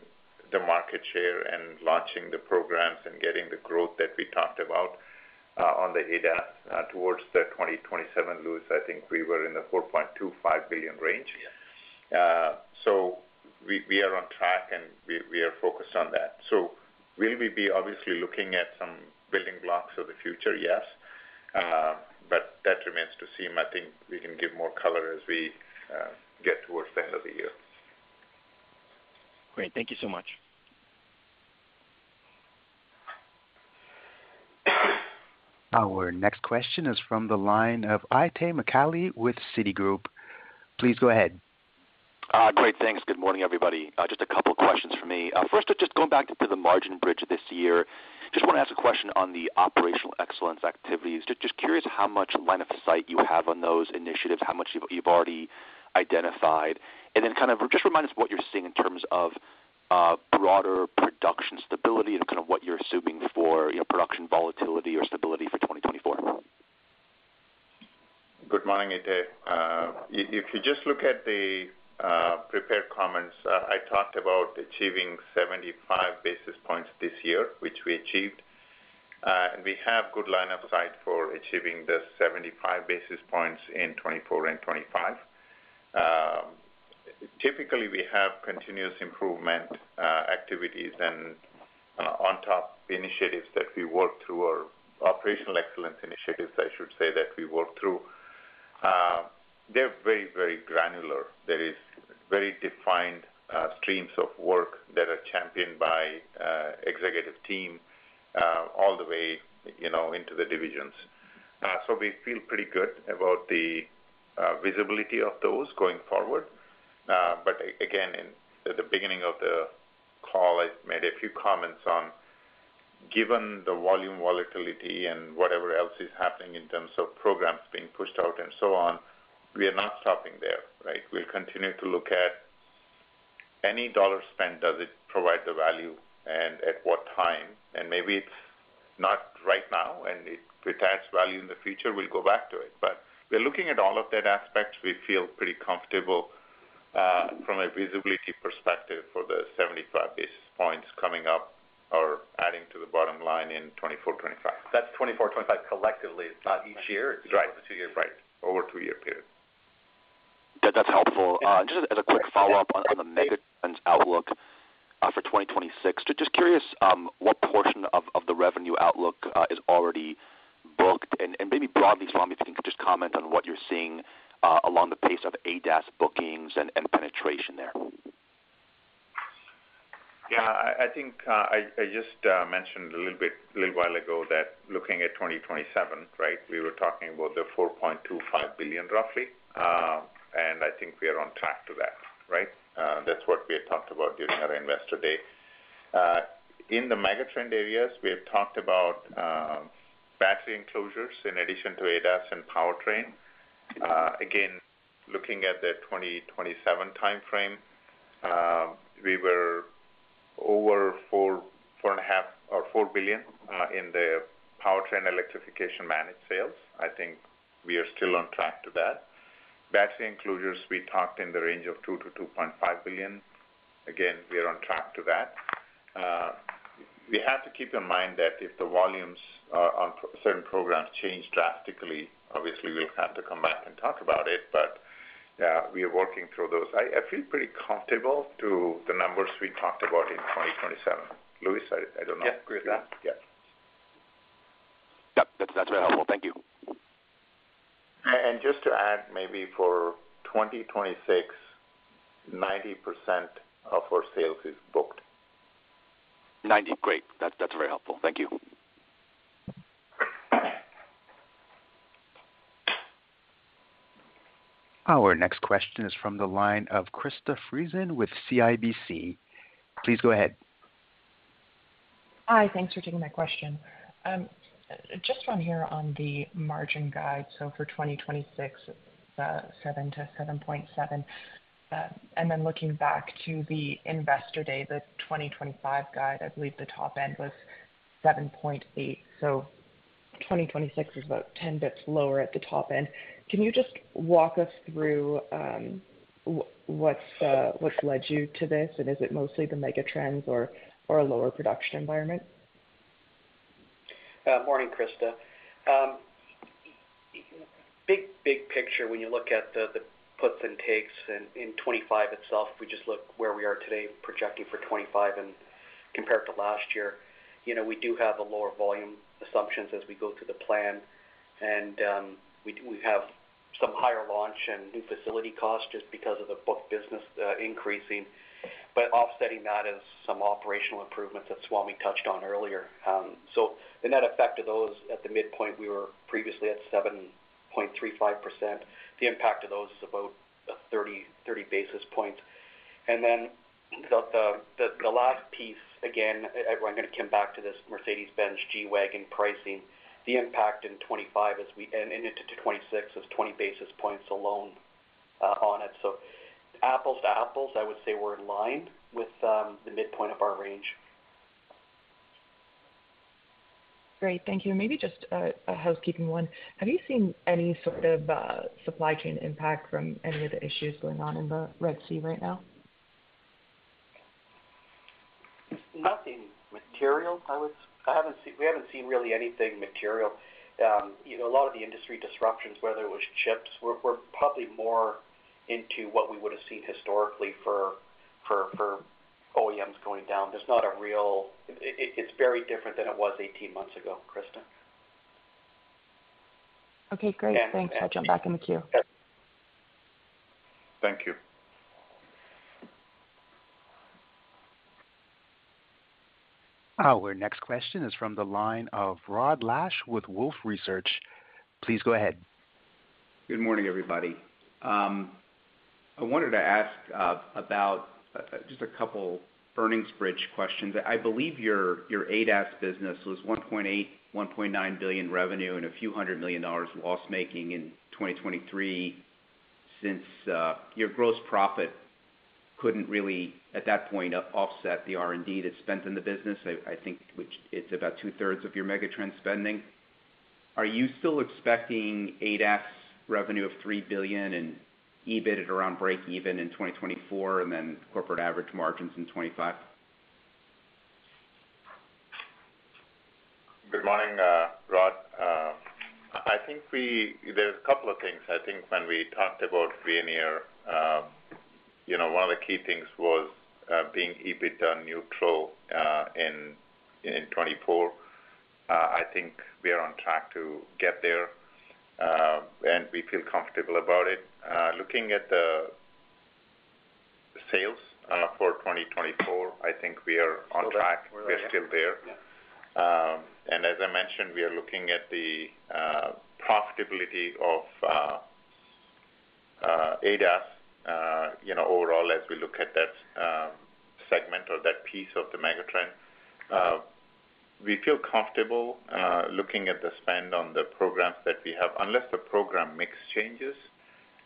the market share and launching the programs and getting the growth that we talked about on the ADAS towards 2027, Louis. I think we were in the $4.25 billion range. Yes. So we are on track, and we are focused on that. So will we be obviously looking at some building blocks of the future? Yes, but that remains to seem. I think we can give more color as we get towards the end of the year. Great. Thank you so much. Our next question is from the line of Itay Michaeli with Citigroup. Please go ahead. Great, thanks. Good morning, everybody. Just a couple questions for me. First, just going back to the margin bridge this year, just wanna ask a question on the Operational Excellence activities. Just curious how much line of sight you have on those initiatives, how much you've already identified? And then kind of just remind us what you're seeing in terms of broader production stability and kind of what you're assuming for, you know, production volatility or stability for 2024. Good morning, Itay. If you just look at the prepared comments, I talked about achieving 75 basis points this year, which we achieved. We have good line of sight for achieving the 75 basis points in 2024 and 2025. Typically, we have continuous improvement activities and on top initiatives that we work through or Operational Excellence initiatives, I should say, that we work through. They're very, very granular. There is very defined streams of work that are championed by executive team all the way, you know, into the divisions. So we feel pretty good about the visibility of those going forward. But again, in the beginning of the call, I made a few comments on, given the volume volatility and whatever else is happening in terms of programs being pushed out and so on, we are not stopping there, right? We'll continue to look at any dollar spent, does it provide the value, and at what time? And maybe it's not right now, and it retains value in the future, we'll go back to it. But we're looking at all of that aspects. We feel pretty comfortable from a visibility perspective for the 75 basis points coming up or adding to the bottom line in 2024, 2025? That's 2024, 2025 collectively. It's not each year. Right. It's over the 2-year period. Right, over a two-year period. That, that's helpful. Just as a quick follow-up on the megatrends outlook for 2026, just curious, what portion of the revenue outlook is already booked? And maybe broadly, Swamy, if you can just comment on what you're seeing along the pace of ADAS bookings and penetration there. Yeah, I think I just mentioned a little bit a little while ago that looking at 2027, right, we were talking about the $4.25 billion, roughly. I think we are on track to that, right? That's what we had talked about during our Investor Day. In the megatrend areas, we have talked about battery enclosures in addition to ADAS and powertrain. Again, looking at the 2027 timeframe, we were over $4, $4.5 or $4 billion in the powertrain electrification managed sales. I think we are still on track to that. Battery enclosures, we talked in the range of $2-$2.5 billion. Again, we are on track to that. We have to keep in mind that if the volumes on certain programs change drastically, obviously, we'll have to come back and talk about it. But, yeah, we are working through those. I feel pretty comfortable to the numbers we talked about in 2027. Louis, I don't know. Yeah, great. Yeah. Yep, that's, that's very helpful. Thank you. Just to add, maybe for 2026, 90% of our sales is booked. 90, great. That's, that's very helpful. Thank you. Our next question is from the line of Krista Friesen with CIBC. Please go ahead. Hi, thanks for taking my question. Just on here on the margin guide, so for 2026, 7%-7.7%, and then looking back to the Investor Day, the 2025 guide, I believe the top end was 7.8%. So 2026 is about 10 bits lower at the top end. Can you just walk us through what's led you to this? And is it mostly the megatrends or a lower production environment? Morning, Krista. Big picture, when you look at the puts and takes in 25 itself, if we just look where we are today, projecting for 25 and compared to last year, you know, we do have a lower volume assumptions as we go through the plan. And we have some higher launch and new facility costs just because of the book business increasing, but offsetting that is some operational improvements that Swamy touched on earlier. So the net effect of those at the midpoint, we were previously at 7.35%. The impact of those is about 30 basis points. And then the last piece, again, I'm gonna come back to this Mercedes-Benz G-Wagon pricing. The impact in 25 as we... And into 26 is 20 basis points alone on it. So apples to apples, I would say we're in line with the midpoint of our range. Great, thank you. Maybe just a housekeeping one. Have you seen any sort of supply chain impact from any of the issues going on in the Red Sea right now? Nothing material. I haven't seen—we haven't seen really anything material. You know, a lot of the industry disruptions, whether it was chips, we're probably more into what we would have seen historically for OEMs going down. There's not a real... It's very different than it was 18 months ago, Krista. Okay, great. And, and- Thanks. I'll jump back in the queue. Yep. Thank you. Our next question is from the line of Rod Lache with Wolfe Research. Please go ahead. Good morning, everybody. I wanted to ask about just a couple earnings bridge questions. I believe your ADAS business was $1.8-$1.9 billion revenue and a few hundred million dollars loss-making in 2023, since your gross profit couldn't really, at that point, offset the R&D that's spent in the business. I think which it's about two-thirds of your megatrend spending. Are you still expecting ADAS revenue of $3 billion and EBIT around break even in 2024, and then corporate average margins in 2025? Good morning, Rod. I think there's a couple of things. I think when we talked about premier, you know, one of the key things was being EBIT neutral in 2024. I think we are on track to get there, and we feel comfortable about it. Looking at the sales for 2024, I think we are on track. We're still there. Yeah. As I mentioned, we are looking at the profitability of ADAS, you know, overall, as we look at that segment or that piece of the megatrend. We feel comfortable looking at the spend on the programs that we have, unless the program mix changes,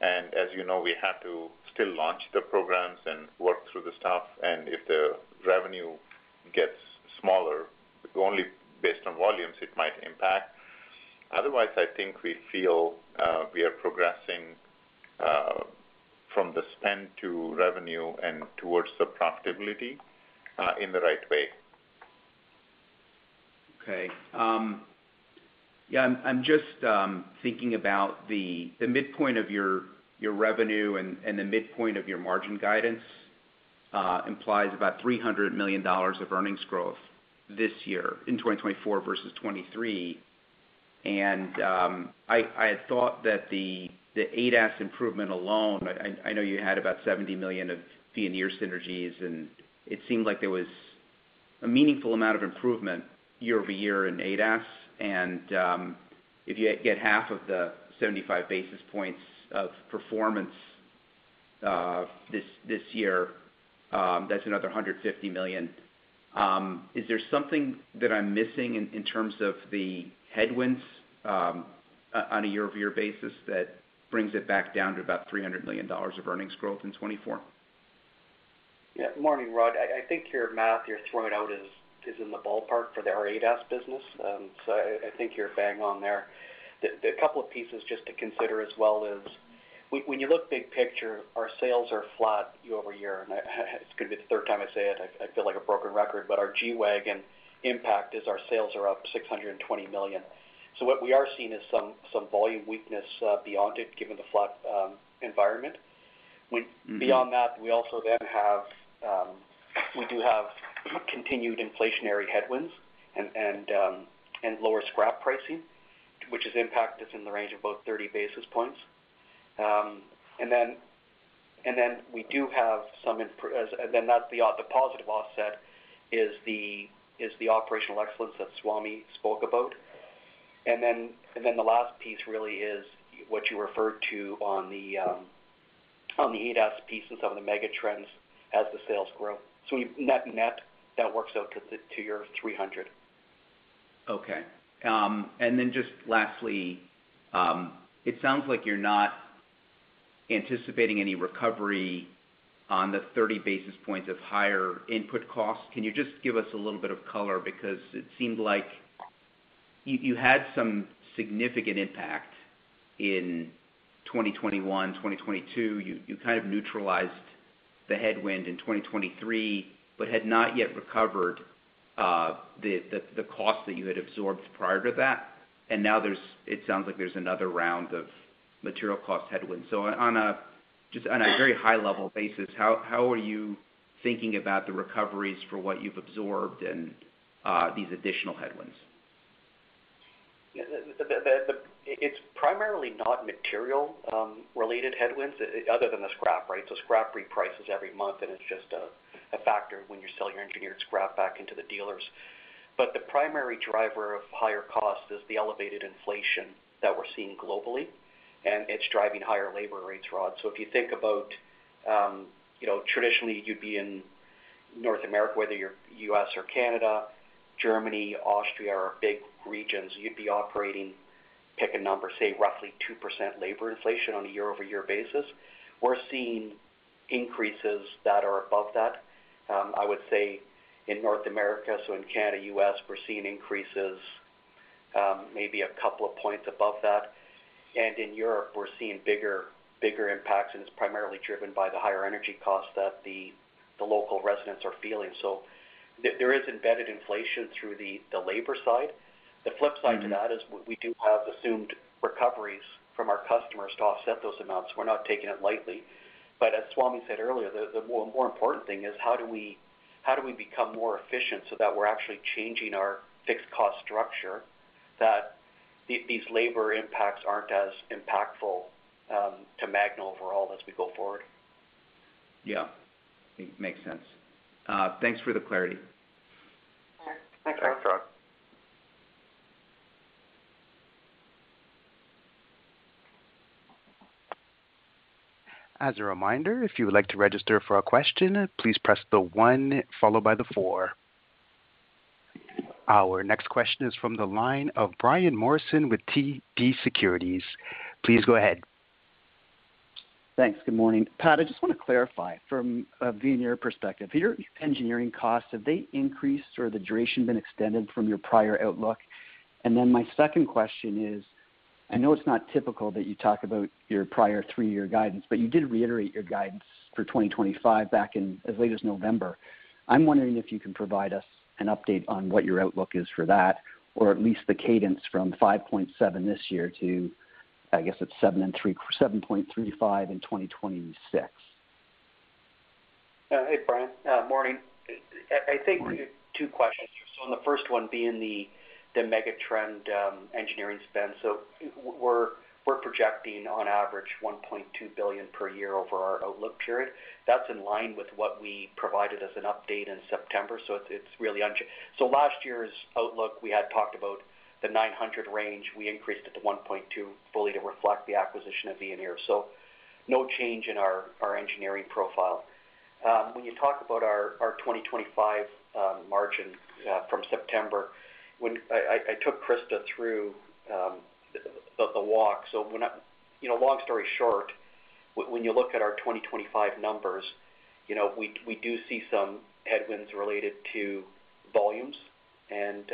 and as you know, we have to still launch the programs and work through the stuff, and if the revenue gets smaller, only based on volumes, it might impact.... otherwise, I think we feel, we are progressing, from the spend to revenue and towards the profitability, in the right way. Okay. Yeah, I'm just thinking about the midpoint of your revenue and the midpoint of your margin guidance implies about $300 million of earnings growth this year in 2024 versus 2023. And, I had thought that the ADAS improvement alone, I know you had about $70 million of Veoneer synergies, and it seemed like there was a meaningful amount of improvement year-over-year in ADAS. And, if you get half of the 75 basis points of performance this year, that's another $150 million. Is there something that I'm missing in terms of the headwinds on a year-over-year basis that brings it back down to about $300 million of earnings growth in 2024? Yeah. Morning, Rod. I think your math you're throwing out is in the ballpark for our ADAS business, so I think you're bang on there. The couple of pieces just to consider as well is when you look big picture, our sales are flat year-over-year, and it's gonna be the third time I say it. I feel like a broken record, but our G-Wagon impact is our sales are up $620 million. So what we are seeing is some volume weakness beyond it, given the flat environment. Mm-hmm. Beyond that, we also have continued inflationary headwinds and lower scrap pricing, which has impacted us in the range of about 30 basis points. And then that's the positive offset is the operational excellence that Swamy spoke about. And then the last piece really is what you referred to on the ADAS piece and some of the megatrends as the sales grow. So net, that works out to your 300. Okay. And then just lastly, it sounds like you're not anticipating any recovery on the 30 basis points of higher input costs. Can you just give us a little bit of color? Because it seemed like you had some significant impact in 2021, 2022. You kind of neutralized the headwind in 2023, but had not yet recovered the cost that you had absorbed prior to that. And now, it sounds like there's another round of material cost headwinds. So, just on a very high-level basis, how are you thinking about the recoveries for what you've absorbed and these additional headwinds? Yeah, it's primarily not material related headwinds other than the scrap, right? So scrap reprices every month, and it's just a factor when you're selling your engineered scrap back into the dealers. But the primary driver of higher cost is the elevated inflation that we're seeing globally, and it's driving higher labor rates, Rod. So if you think about, you know, traditionally you'd be in North America, whether you're U.S. or Canada, Germany, Austria, are big regions, you'd be operating, pick a number, say roughly 2% labor inflation on a year-over-year basis. We're seeing increases that are above that. I would say in North America, so in Canada, U.S., we're seeing increases, maybe a couple of points above that. In Europe, we're seeing bigger, bigger impacts, and it's primarily driven by the higher energy costs that the local residents are feeling. So there is embedded inflation through the labor side. Mm-hmm. The flip side to that is we do have assumed recoveries from our customers to offset those amounts. We're not taking it lightly. But as Swamy said earlier, the more important thing is how do we become more efficient so that we're actually changing our fixed cost structure, that these labor impacts aren't as impactful to Magna overall as we go forward. Yeah, it makes sense. Thanks for the clarity. Sure. Thanks, Rod. Thanks, Rod. As a reminder, if you would like to register for a question, please press the one followed by the four. Our next question is from the line of Brian Morrison with TD Securities. Please go ahead. Thanks. Good morning. Pat, I just want to clarify from a Veoneer perspective, your engineering costs, have they increased or the duration been extended from your prior outlook? And then my second question is, I know it's not typical that you talk about your prior three-year guidance, but you did reiterate your guidance for 2025 back in as late as November. I'm wondering if you can provide us an update on what your outlook is for that, or at least the cadence from 5.7 this year to, I guess, it's 7.3-7.35 in 2026. Hey, Brian. Morning. Morning. I think two questions. So on the first one being the megatrend engineering spend, so we're projecting on average $1.2 billion per year over our outlook period. That's in line with what we provided as an update in September, so it's really unchanged. So last year's outlook, we had talked about the $900 million range. We increased it to $1.2 billion fully to reflect the acquisition of Veoneer. So no change in our engineering profile. When you talk about our 2025 margin from September, when I took Krista through the walk. So we're not, you know, long story short, when you look at our 2025 numbers, you know, we, we do see some headwinds related to volumes and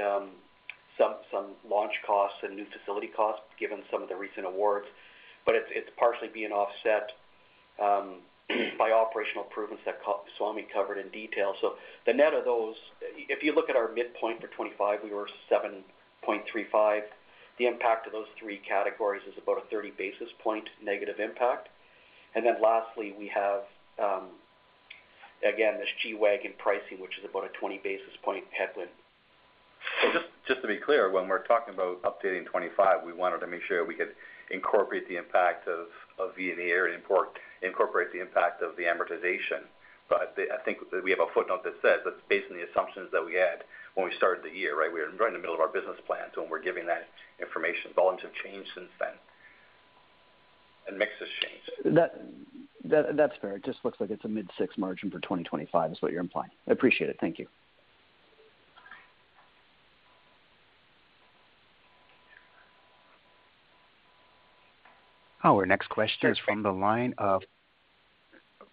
some launch costs and new facility costs, given some of the recent awards. But it's partially being offset by operational improvements that Swamy covered in detail. So the net of those, if you look at our midpoint for 2025, we were 7.35. The impact of those three categories is about a 30 basis point negative impact. And then lastly, we have again this G-Wagon pricing, which is about a 20 basis point headwind. Just to be clear, when we're talking about updating 2025, we wanted to make sure we could incorporate the impact of Veoneer import, incorporate the impact of the amortization. But I think we have a footnote that says that's based on the assumptions that we had when we started the year, right? We were right in the middle of our business plan, so when we're giving that information, volumes have changed since then, and mix has changed. That's fair. It just looks like it's a mid-6% margin for 2025 is what you're implying. I appreciate it. Thank you. Our next question is from the line of...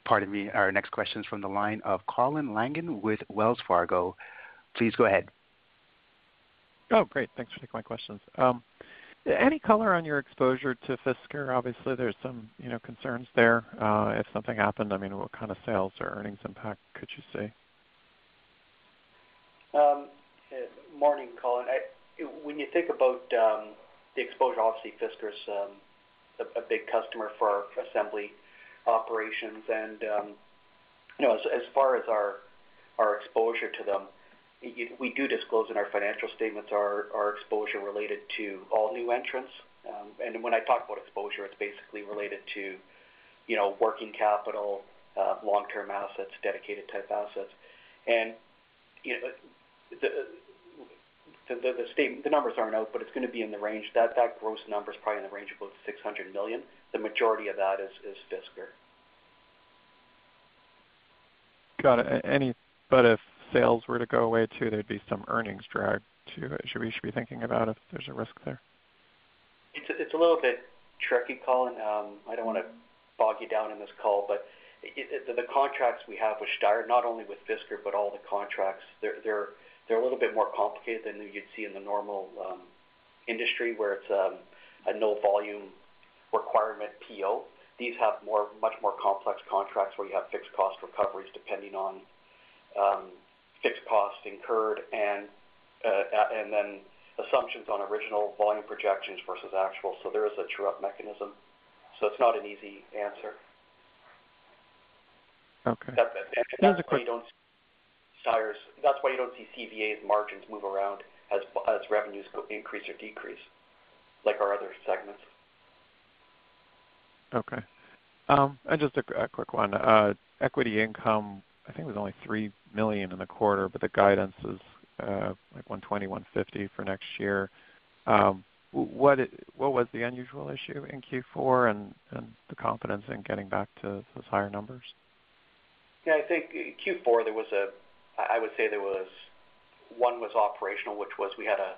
Pardon me. Our next question is from the line of Colin Langan with Wells Fargo. Please go ahead. Oh, great. Thanks for taking my questions. Any color on your exposure to Fisker? Obviously, there's some, you know, concerns there. If something happened, I mean, what kind of sales or earnings impact could you see? Morning, Colin. When you think about the exposure, obviously, Fisker is a big customer for our assembly operations. And you know, as far as our exposure to them, we do disclose in our financial statements our exposure related to all new entrants. And when I talk about exposure, it's basically related to you know, working capital, long-term assets, dedicated type assets. And you know, the statement, the numbers aren't out, but it's going to be in the range. That gross number is probably in the range of about $600 million. The majority of that is Fisker. Got it. But if sales were to go away, too, there'd be some earnings drag, too. Should we should be thinking about if there's a risk there? It's a little bit tricky, Colin. I don't want to bog you down in this call, but it - the contracts we have with Steyr, not only with Fisker, but all the contracts, they're a little bit more complicated than you'd see in the normal industry, where it's a no volume requirement PO. These have much more complex contracts, where you have fixed cost recoveries depending on fixed costs incurred and then assumptions on original volume projections versus actual. So there is a true-up mechanism. So it's not an easy answer. Okay. That's why you don't see CVA's margins move around as revenues go increase or decrease, like our other segments. Okay. And just a quick one. Equity income, I think, was only $3 million in the quarter, but the guidance is, like $120-$150 million for next year. What was the unusual issue in Q4 and the confidence in getting back to those higher numbers? Yeah, I think Q4, there was a... I, I would say there was, one was operational, which was we had a,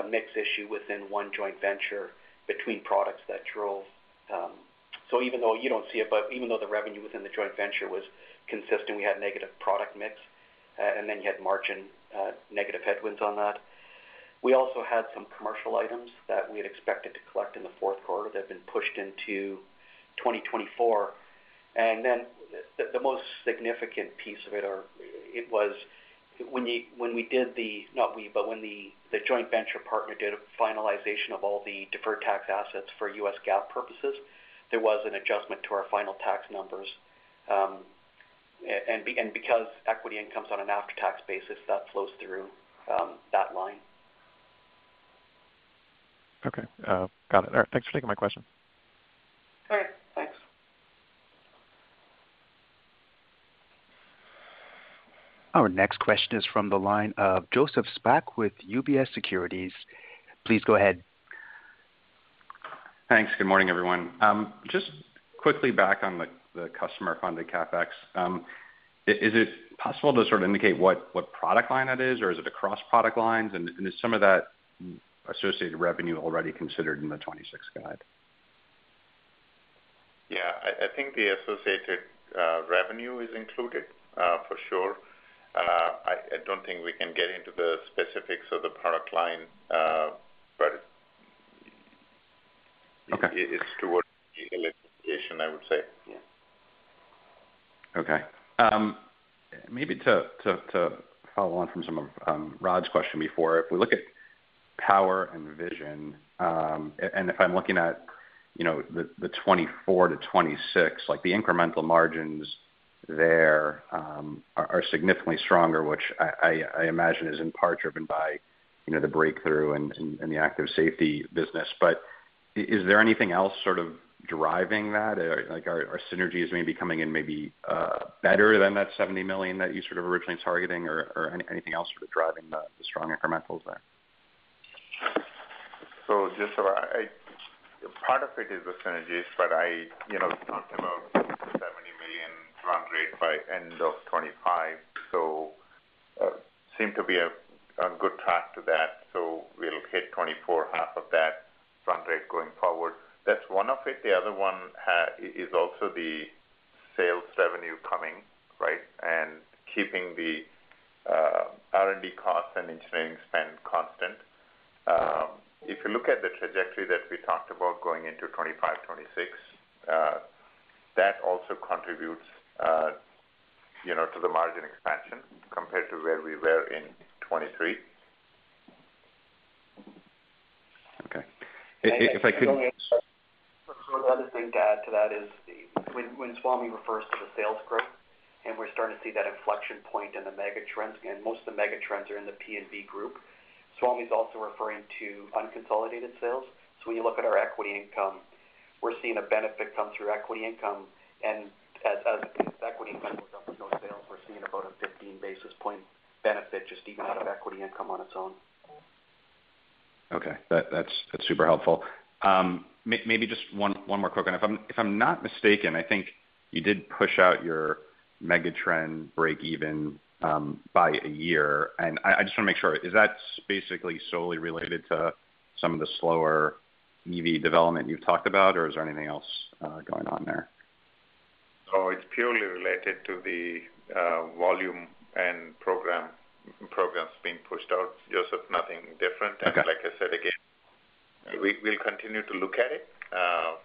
a mix issue within one joint venture between products that drove... So even though you don't see it, but even though the revenue within the joint venture was consistent, we had negative product mix, and then you had margin negative headwinds on that. We also had some commercial items that we had expected to collect in the fourth quarter that have been pushed into 2024. And then the, the most significant piece of it are, it was when you- when we did the, not we, but when the, the joint venture partner did a finalization of all the deferred tax assets for U.S. GAAP purposes, there was an adjustment to our final tax numbers. Because equity income is on an after-tax basis, that flows through that line. Okay, got it. All right. Thanks for taking my question. All right. Thanks. Our next question is from the line of Joseph Spak with UBS Securities. Please go ahead. Thanks. Good morning, everyone. Just quickly back on the, the customer-funded CapEx. Is, is it possible to sort of indicate what, what product line that is, or is it across product lines? And, and is some of that associated revenue already considered in the 2026 guide? Yeah, I think the associated revenue is included for sure. I don't think we can get into the specifics of the product line, but- Okay... It's towards the electrification, I would say, yeah. Okay. Maybe to follow on from some of Rod's question before. If we look at power and vision, and if I'm looking at, you know, the 2024-2026, like, the incremental margins there, are significantly stronger, which I imagine is in part driven by, you know, the breakthrough and the active safety business. But is there anything else sort of driving that? Like, are synergies maybe coming in, maybe better than that $70 million that you sort of originally targeting, or anything else sort of driving the strong incrementals there? So just so I, Part of it is the synergies, but I, you know, we talked about- ... rate by end of 2025. So, seem to be a, a good path to that, so we'll hit 24, half of that run rate going forward. That's one of it. The other one, is also the sales revenue coming, right? And keeping the, R&D costs and engineering spend constant. If you look at the trajectory that we talked about going into 2025, 2026, that also contributes, you know, to the margin expansion compared to where we were in 2023. Okay. If I could- One other thing to add to that is when Swamy refers to the sales growth, and we're starting to see that inflection point in the megatrends, and most of the megatrends are in the P&V group. Swamy is also referring to unconsolidated sales. So when you look at our equity income, we're seeing a benefit come through equity income. And as equity income goes up with those sales, we're seeing about a 15 basis point benefit, just even out of equity income on its own. Okay, that's super helpful. Maybe just one more quick one. If I'm not mistaken, I think you did push out your megatrend breakeven by a year, and I just wanna make sure. Is that basically solely related to some of the slower EV development you've talked about, or is there anything else going on there? It's purely related to the volume and programs being pushed out, Joseph, nothing different. Okay. Like I said, again, we'll continue to look at it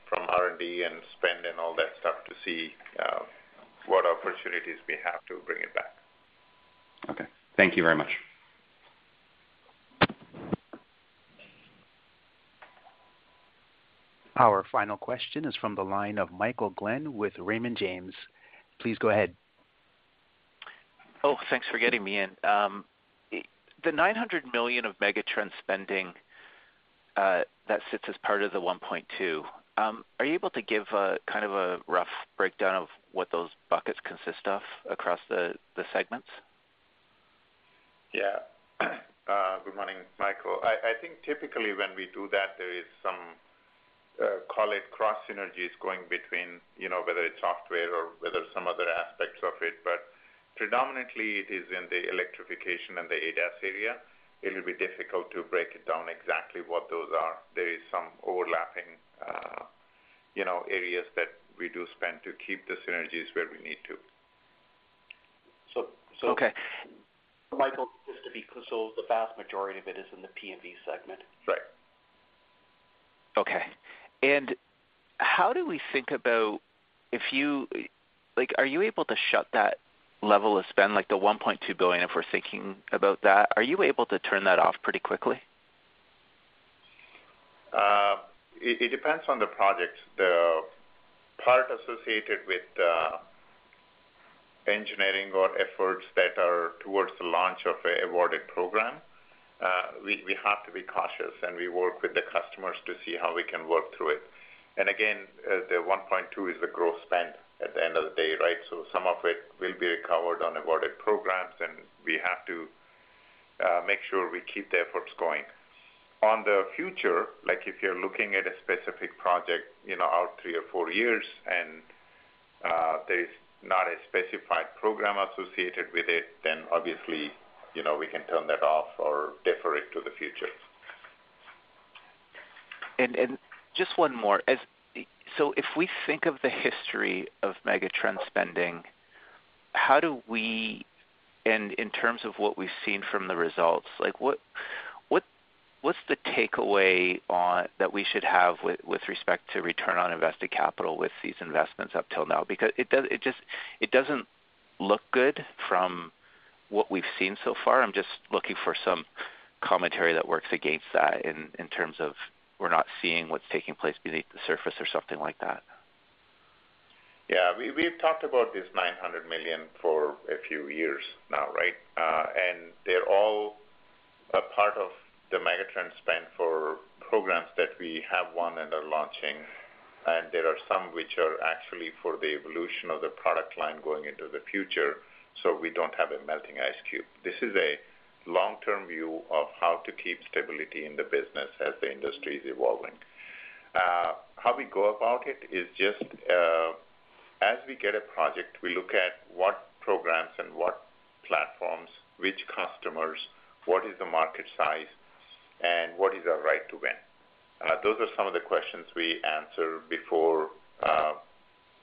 from R&D and spend and all that stuff to see what opportunities we have to bring it back. Okay. Thank you very much. Our final question is from the line of Michael Glen with Raymond James. Please go ahead. Oh, thanks for getting me in. The $900 million of Megatrend spending that sits as part of the $1.2 billion, are you able to give a kind of a rough breakdown of what those buckets consist of across the segments? Yeah. Good morning, Michael. I think typically when we do that, there is some, call it cross synergies going between, you know, whether it's software or whether some other aspects of it, but predominantly it is in the electrification and the ADAS area. It will be difficult to break it down exactly what those are. There is some overlapping, you know, areas that we do spend to keep the synergies where we need to. So, okay. Michael, just to be clear, so the vast majority of it is in the P&V segment. Right. Okay. How do we think about if you—like, are you able to shut that level of spend, like the $1.2 billion, if we're thinking about that, are you able to turn that off pretty quickly? It depends on the project. The part associated with the engineering or efforts that are towards the launch of an awarded program, we have to be cautious, and we work with the customers to see how we can work through it. And again, the $1.2 is the growth spend at the end of the day, right? So some of it will be recovered on awarded programs, and we have to make sure we keep the efforts going. On the future, like, if you're looking at a specific project, you know, out three or four years and there's not a specified program associated with it, then obviously, you know, we can turn that off or defer it to the future. And just one more. So if we think of the history of megatrend spending, how do we... And in terms of what we've seen from the results, like what's the takeaway that we should have with respect to return on invested capital with these investments up till now? Because it just doesn't look good from what we've seen so far. I'm just looking for some commentary that works against that in terms of we're not seeing what's taking place beneath the surface or something like that. Yeah, we've talked about this $900 million for a few years now, right? And they're all a part of the megatrend spend for programs that we have won and are launching, and there are some which are actually for the evolution of the product line going into the future, so we don't have a melting ice cube. This is a long-term view of how to keep stability in the business as the industry is evolving. How we go about it is just as we get a project, we look at what programs and what platforms, which customers, what is the market size, and what is our right to win. Those are some of the questions we answer before,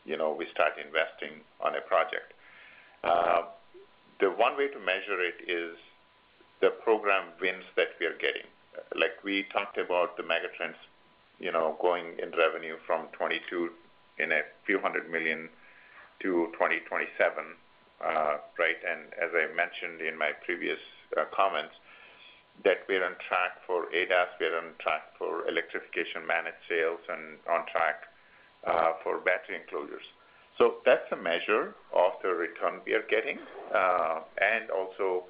you know, we start investing on a project. The one way to measure it is the program wins that we are getting. Like, we talked about the megatrends, you know, going in revenue from 2022 in $a few hundred million to 2027, right? And as I mentioned in my previous, comments, that we're on track for ADAS, we are on track for electrification, managed sales, and on track, for battery enclosures. So that's a measure of the return we are getting, and also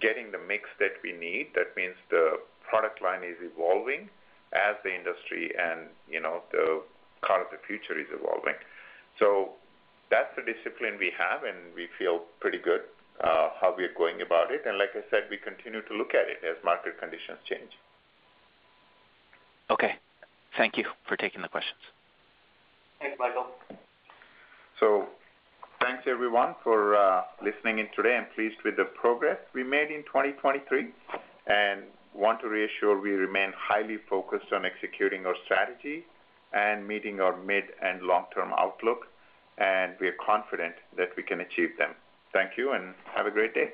getting the mix that we need. That means the product line is evolving as the industry and, you know, the car of the future is evolving. So that's the discipline we have, and we feel pretty good, how we are going about it. And like I said, we continue to look at it as market conditions change. Okay. Thank you for taking the questions. Thanks, Michael. Thanks, everyone, for listening in today. I'm pleased with the progress we made in 2023 and want to reassure we remain highly focused on executing our strategy and meeting our mid- and long-term outlook, and we are confident that we can achieve them. Thank you, and have a great day.